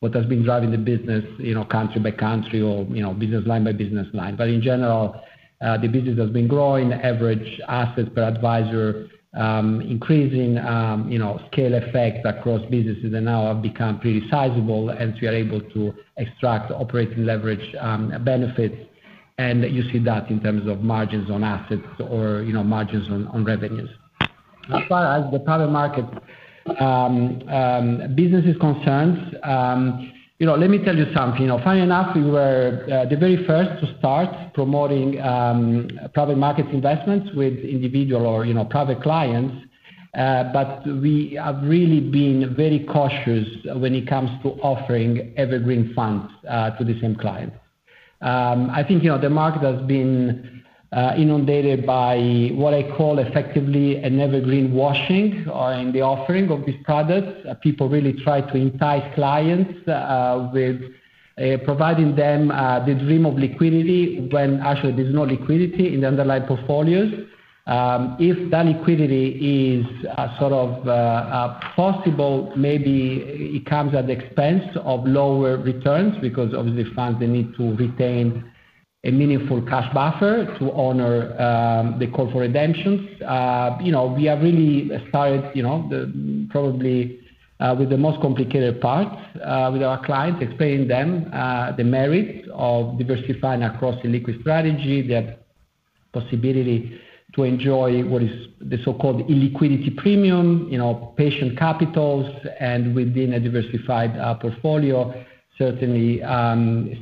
what has been driving the business, you know, country by country or, you know, business line by business line. In general, the business has been growing average assets per advisor, increasing, you know, scale effects across businesses and now have become pretty sizable, and we are able to extract operating leverage benefits. You see that in terms of margins on assets or, you know, margins on revenues. As far as the private market business is concerned, you know, let me tell you something. You know, funny enough, we were the very first to start promoting private market investments with individual or, you know, private clients. We have really been very cautious when it comes to offering evergreen funds to the same client. I think, you know, the market has been inundated by what I call effectively an evergreen washing or in the offering of these products. People really try to entice clients with providing them the dream of liquidity when actually there's no liquidity in the underlying portfolios. If that liquidity is sort of possible, maybe it comes at the expense of lower returns because obviously funds they need to retain a meaningful cash buffer to honor the call for redemptions. you know, we have really started, you know, probably with the most complicated parts with our clients, explaining them the merit of diversifying across illiquid strategy, the possibility to enjoy what is the so-called illiquidity premium, you know, patient capitals, and within a diversified portfolio, certainly,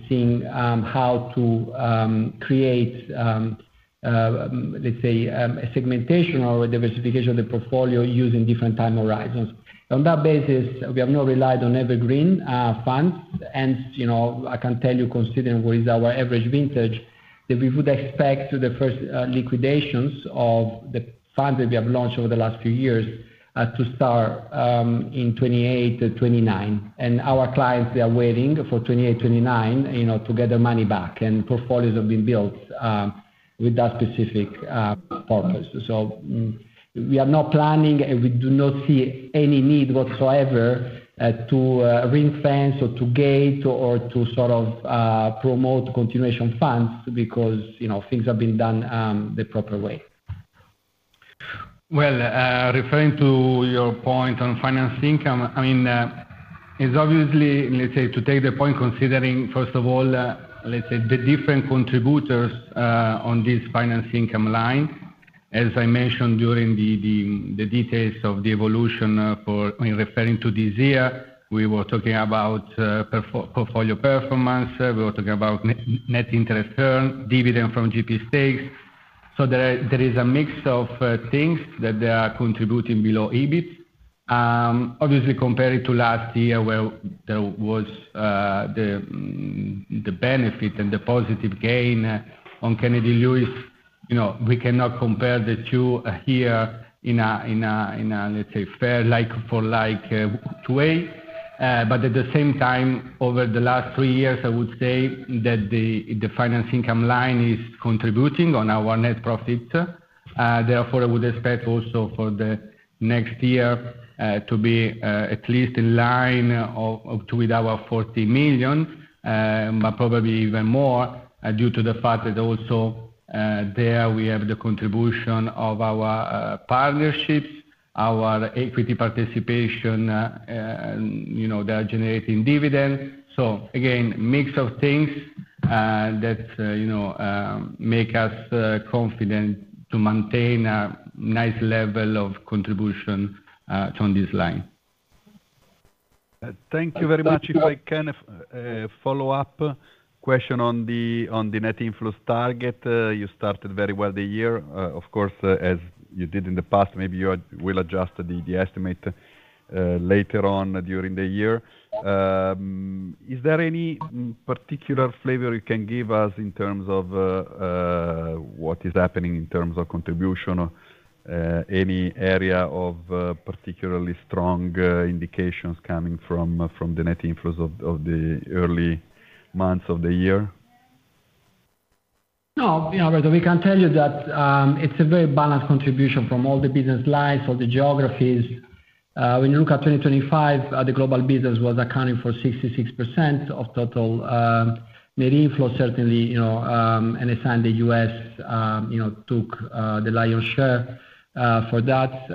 seeing how to create, let's say, a segmentation or a diversification of the portfolio using different time horizons. On that basis, we have not relied on evergreen funds, you know, I can tell you, considering what is our average vintage, that we would expect the first liquidations of the funds that we have launched over the last few years to start in 2028-2029. Our clients are waiting for 2028, 2029, you know, to get their money back, and portfolios have been built with that specific purpose. We are not planning, and we do not see any need whatsoever to ring-fence or to gate or to sort of promote continuation funds because, you know, things have been done the proper way. Well, referring to your point on finance income, I mean, it's obviously, let's say, to take the point considering, first of all, let's say the different contributors on this finance income line. As I mentioned during the details of the evolution, for when referring to this year, we were talking about portfolio performance, we were talking about net interest earn, dividend from GP stakes. There is a mix of things that they are contributing below EBIT. Obviously, compared to last year, where there was the benefit and the positive gain on Kennedy Lewis, you know, we cannot compare the two here in a, let's say, fair like for like way. At the same time, over the last three years, I would say that the finance income line is contributing on our net profit. Therefore, I would expect also for the next year to be at least in line of to with our 40 million, but probably even more, due to the fact that also there we have the contribution of our partnerships, our equity participation, and, you know, they are generating dividends. Again, mix of things that, you know, make us confident to maintain a nice level of contribution on this line. Thank you very much. If I can follow up question on the net inflows target. You started very well the year, of course, as you did in the past, maybe you will adjust the estimate later on during the year. Is there any particular flavor you can give us in terms of what is happening in terms of contribution or any area of particularly strong indications coming from the net inflows of the early months of the year? No. You know, Roberto, we can tell you that, it's a very balanced contribution from all the business lines, all the geographies. When you look at 2025, the global business was accounting for 66% of total net inflows, certainly, you know, and it's in the U.S., you know, took the lion's share for that.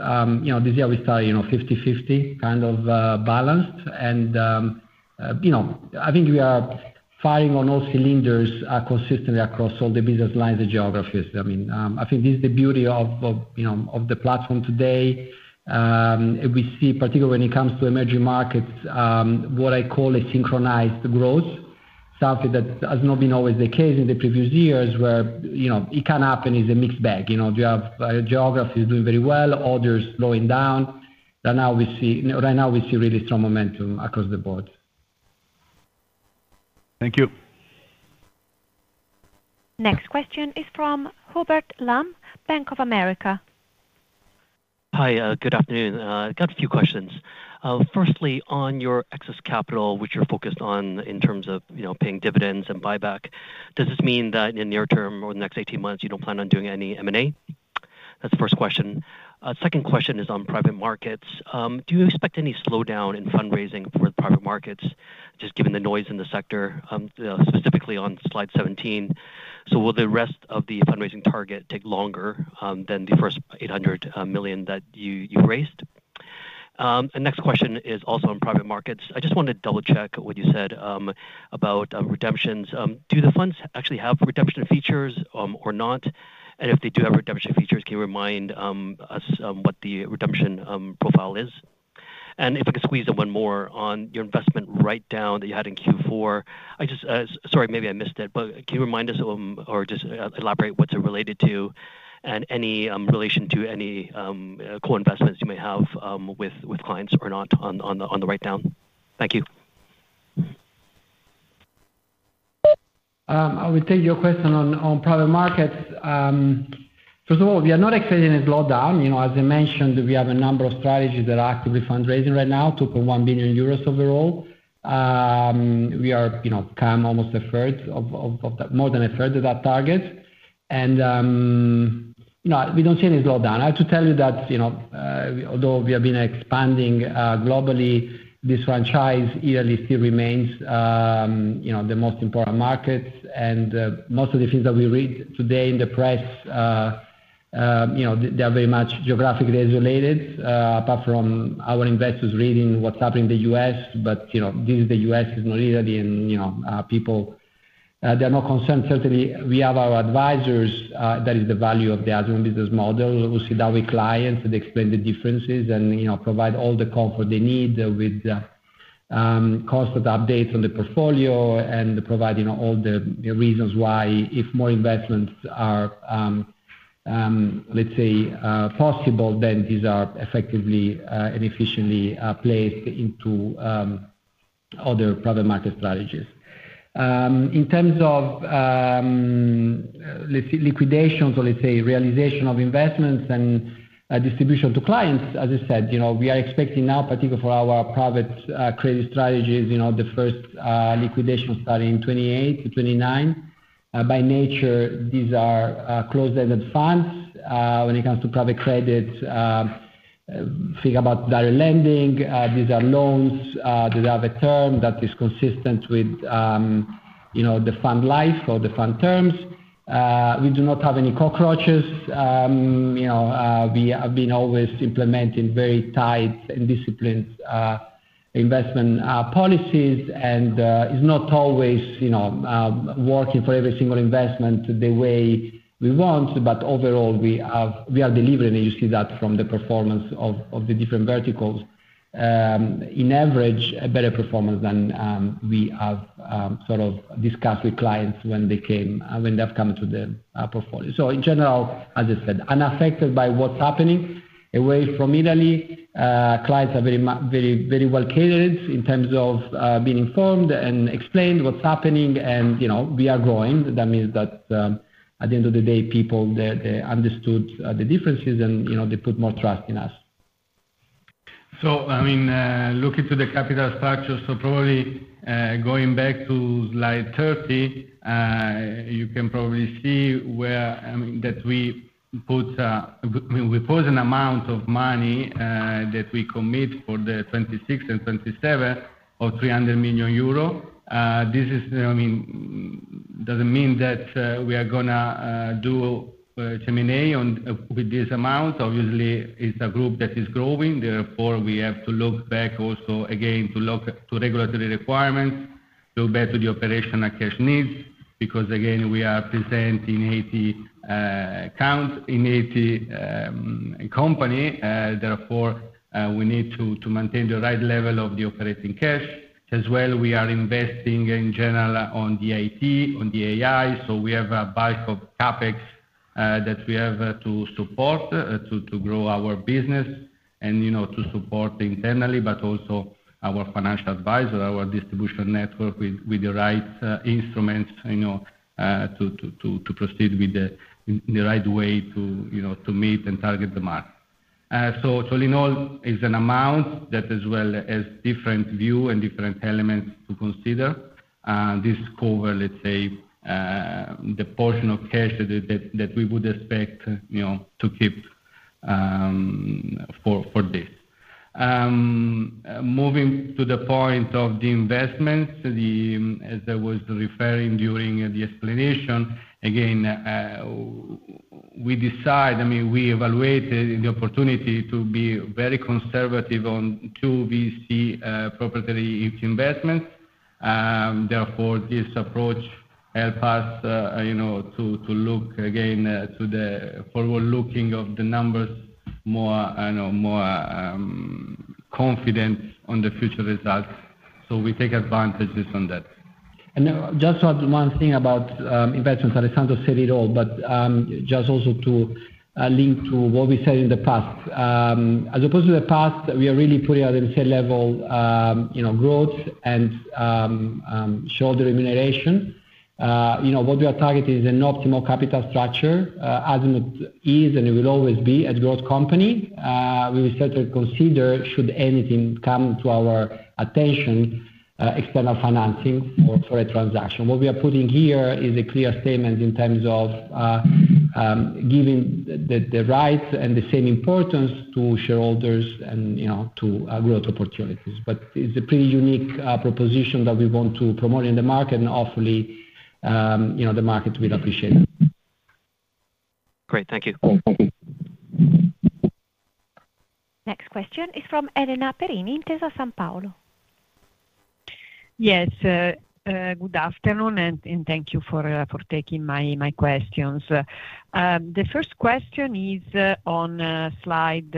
You know, this year we start, you know, 50/50, kind of, balanced. You know, I think we are firing on all cylinders, consistently across all the business lines and geographies. I mean, I think this is the beauty of, you know, of the platform today. We see, particularly when it comes to emerging markets, what I call a synchronized growth. Something that has not been always the case in the previous years, where, you know, it can happen is a mixed bag. You know, you have geographies doing very well, others slowing down. Right now we see really strong momentum across the board. Thank you. Next question is from Hubert Lam, Bank of America. Hi, good afternoon. Got a few questions. Firstly, on your excess capital, which you're focused on in terms of, you know, paying dividends and buyback. Does this mean that in near term or the next 18 months you don't plan on doing any M&A? That's the first question. Second question is on private markets. Do you expect any slowdown in fundraising for the private markets, just given the noise in the sector, specifically on slide 17? Will the rest of the fundraising target take longer than the first 800 million that you raised? Next question is also on private markets. I just want to double-check what you said about redemptions. Do the funds actually have redemption features or not? If they do have redemption features, can you remind us what the redemption profile is? If I could squeeze in one more on your investment write down that you had in Q4. I just Sorry, maybe I missed it. Can you remind us or just elaborate what's it related to and any relation to any core investments you may have with clients or not on the write down? Thank you. I will take your question on private markets. First of all, we are not expecting a slowdown. You know, as I mentioned, we have a number of strategies that are actively fundraising right now, 2.1 billion euros overall. We are, you know, more than a third of that target. You know, we don't see any slowdown. I have to tell you that, you know, although we have been expanding globally, this franchise yearly still remains, you know, the most important markets. Most of the things that we read today in the press, you know, they're very much geographically insulated, apart from our investors reading what's happening in the U.S. You know, this is the U.S., it's not Italy. You know, people, they're not concerned. Certainly, we have our advisors, that is the value of the Azimut business model. We sit down with clients, and they explain the differences and, you know, provide all the comfort they need with constant updates on the portfolio and providing all the reasons why if more investments are, let's say, possible, then these are effectively and efficiently placed into other private market strategies. In terms of liquidations or, let's say, realization of investments and distribution to clients, as I said, you know, we are expecting now, particularly for our private credit strategies, you know, the first liquidation starting 28 to 29. By nature, these are closed-ended funds. When it comes to private credit, think about direct lending. These are loans. They have a term that is consistent with, you know, the fund life or the fund terms. We do not have any cockroaches. You know, we have been always implementing very tight and disciplined, investment, policies. It's not always, you know, working for every single investment the way we want. Overall, we are delivering, and you see that from the performance of the different verticals. In average, a better performance than we have sort of discussed with clients when they've come to the portfolio. In general, as I said, unaffected by what's happening away from Italy. Clients are very, very well catered in terms of being informed and explained what's happening. You know, we are growing. That means that, at the end of the day, people, they understood the differences and, you know, they put more trust in us. I mean, looking to the capital structure, so probably, going back to slide 30, you can probably see where, I mean, that we put an amount of money, that we commit for 2026 and 2027 of 300 million euro. This is, I mean, doesn't mean that we are gonna do M&A with this amount. Obviously, it's a group that is growing. Therefore, we have to look back also again to look to regulatory requirements. Go back to the operational cash needs, because again, we are presenting 80 accounts in 80 company, therefore, we need to maintain the right level of the operating cash. As well, we are investing in general on the IT, on the AI. We have a bank of CapEx that we have to support, to grow our business and, you know, to support internally, but also our financial advisor, our distribution network with the right instruments, you know, to proceed with the, in the right way to, you know, to meet and target the mark. All in all is an amount that as well has different view and different elements to consider. This cover, let's say, the portion of cash that, that we would expect, you know, to keep for this. Moving to the point of the investments, as I was referring during the explanation, again, we decide, I mean, we evaluate the opportunity to be very conservative on 2 VC proprietary investments. Therefore, this approach help us, you know, to look again, to the forward-looking of the numbers more, I know, more confident on the future results. We take advantages on that. Just to add one thing about investments, Alessandro said it all, just also to link to what we said in the past. As opposed to the past, we are really putting out in share level, you know, growth and shareholder remuneration. You know, what we are targeting is an optimal capital structure, as it is and it will always be a growth company. We will start to consider should anything come to our attention, external financing for a transaction. What we are putting here is a clear statement in terms of giving the, the rights and the same importance to shareholders and, you know, to growth opportunities. It's a pretty unique proposition that we want to promote in the market and hopefully, you know, the market will appreciate it. Great. Thank you. Next question is from Elena Perini, Intesa Sanpaolo. Yes. Good afternoon, and thank you for taking my questions. The first question is on slide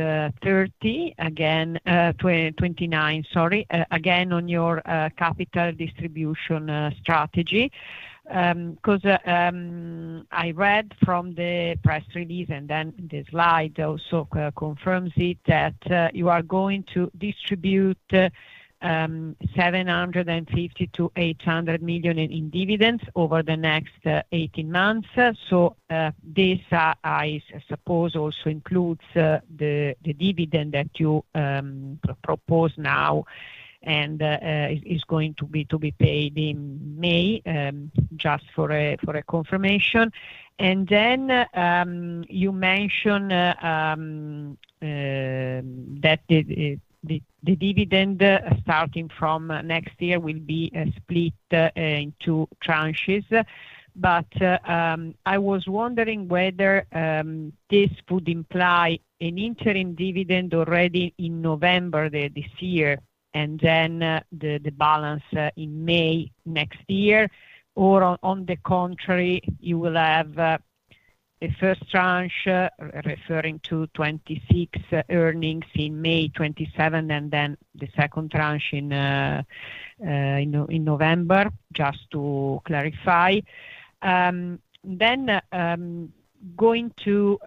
30 again, 29, sorry, again, on your capital distribution strategy. Because I read from the press release, the slide also confirms it, that you are going to distribute 750 million-800 million in dividends over the next 18 months. This, I suppose, also includes the dividend that you propose now and is going to be paid in May, just for a confirmation. You mention that the dividend starting from next year will be split in 2 tranches. I was wondering whether this would imply an interim dividend already in November this year and then the balance in May next year, or on the contrary, you will have the first tranche referring to 2026 earnings in May 2027 and then the second tranche in November, just to clarify. Going to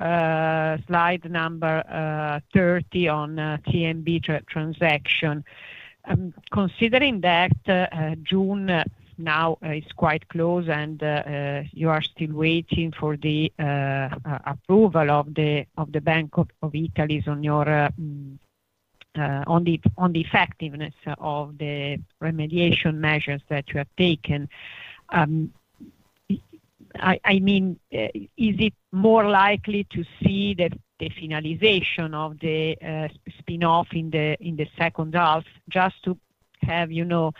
slide number 30 on TNB transaction. Considering that June now is quite close and you are still waiting for the approval of the Bank of Italy's on your on the effectiveness of the remediation measures that you have taken. I mean, is it more likely to see the finalization of the spin-off in the second half just to have, you know,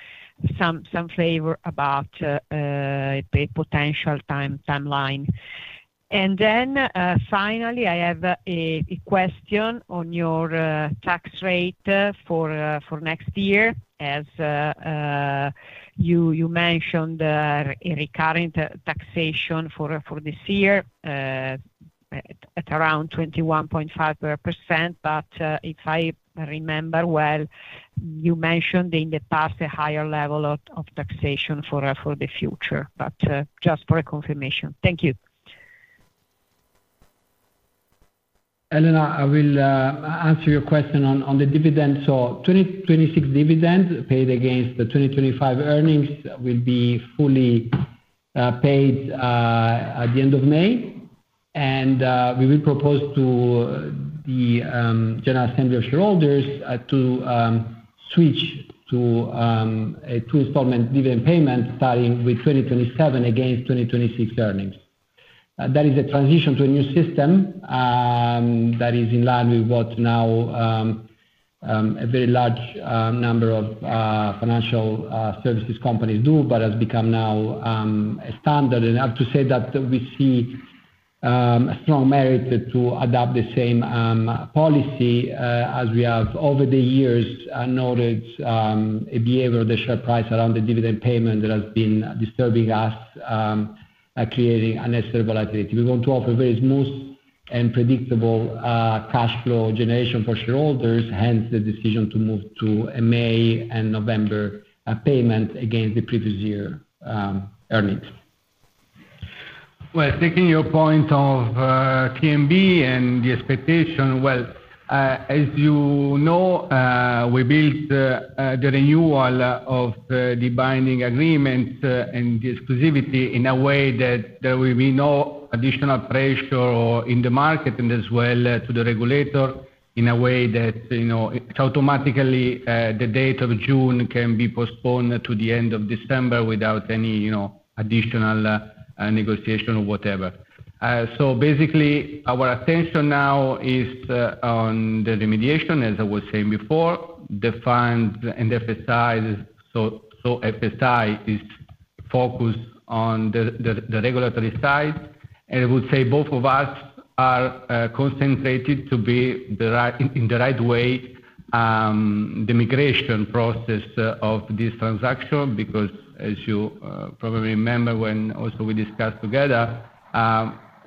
some flavor about a potential time-timeline? Finally, I have a question on your tax rate for next year. You mentioned a recurring taxation for this year around 21.5%. If I remember well, you mentioned in the past a higher level of taxation for the future. Just for a confirmation. Thank you. Elena, I will answer your question on the dividend. 2026 dividend paid against the 2025 earnings will be fully paid at the end of May. We will propose to the general assembly of shareholders to switch to a 2 installment dividend payment starting with 2027 against 2026 earnings. That is a transition to a new system that is in line with what now a very large number of financial services companies do, but has become now a standard. I have to say that we see a strong merit to adopt the same policy, as we have over the years noted a behavior of the share price around the dividend payment that has been disturbing us, creating unnecessary volatility. We want to offer very smooth and predictable cash flow generation for shareholders, hence the decision to move to a May and November payment against the previous year earnings. Taking your point of TNB and the expectation, well, as you know, we built the renewal of the binding agreement and the exclusivity in a way that there will be no additional pressure in the market and as well to the regulator in a way that, you know, it automatically the date of June can be postponed to the end of December without any, you know, additional negotiation or whatever. So basically, our attention now is on the remediation, as I was saying before. The fund and the FSI, so FSI is focused on the regulatory side. I would say both of us are concentrated to be the right, in the right way, the migration process of this transaction, because as you probably remember when also we discussed together,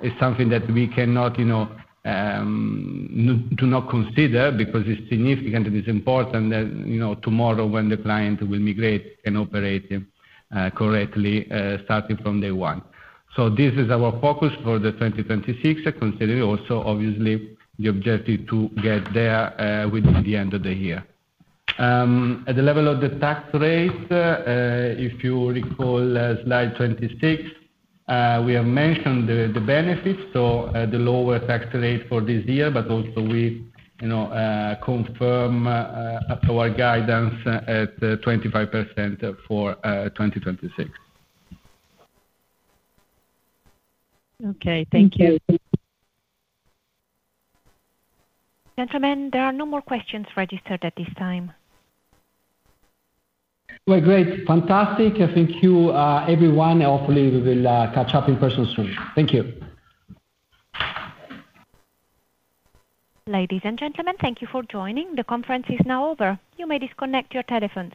it's something that we cannot, you know, do not consider because it's significant and it's important that, you know, tomorrow when the client will migrate and operate correctly, starting from day one. This is our focus for 2026. I consider also obviously the objective to get there within the end of the year. At the level of the tax rate, if you recall slide 26, we have mentioned the benefits, so the lower tax rate for this year, but also we, you know, confirm our guidance at 25% for 2026. Okay. Thank you. Gentlemen, there are no more questions registered at this time. Well, great. Fantastic. Thank you, everyone. Hopefully we will catch up in person soon. Thank you. Ladies and gentlemen, thank you for joining. The conference is now over. You may disconnect your telephones.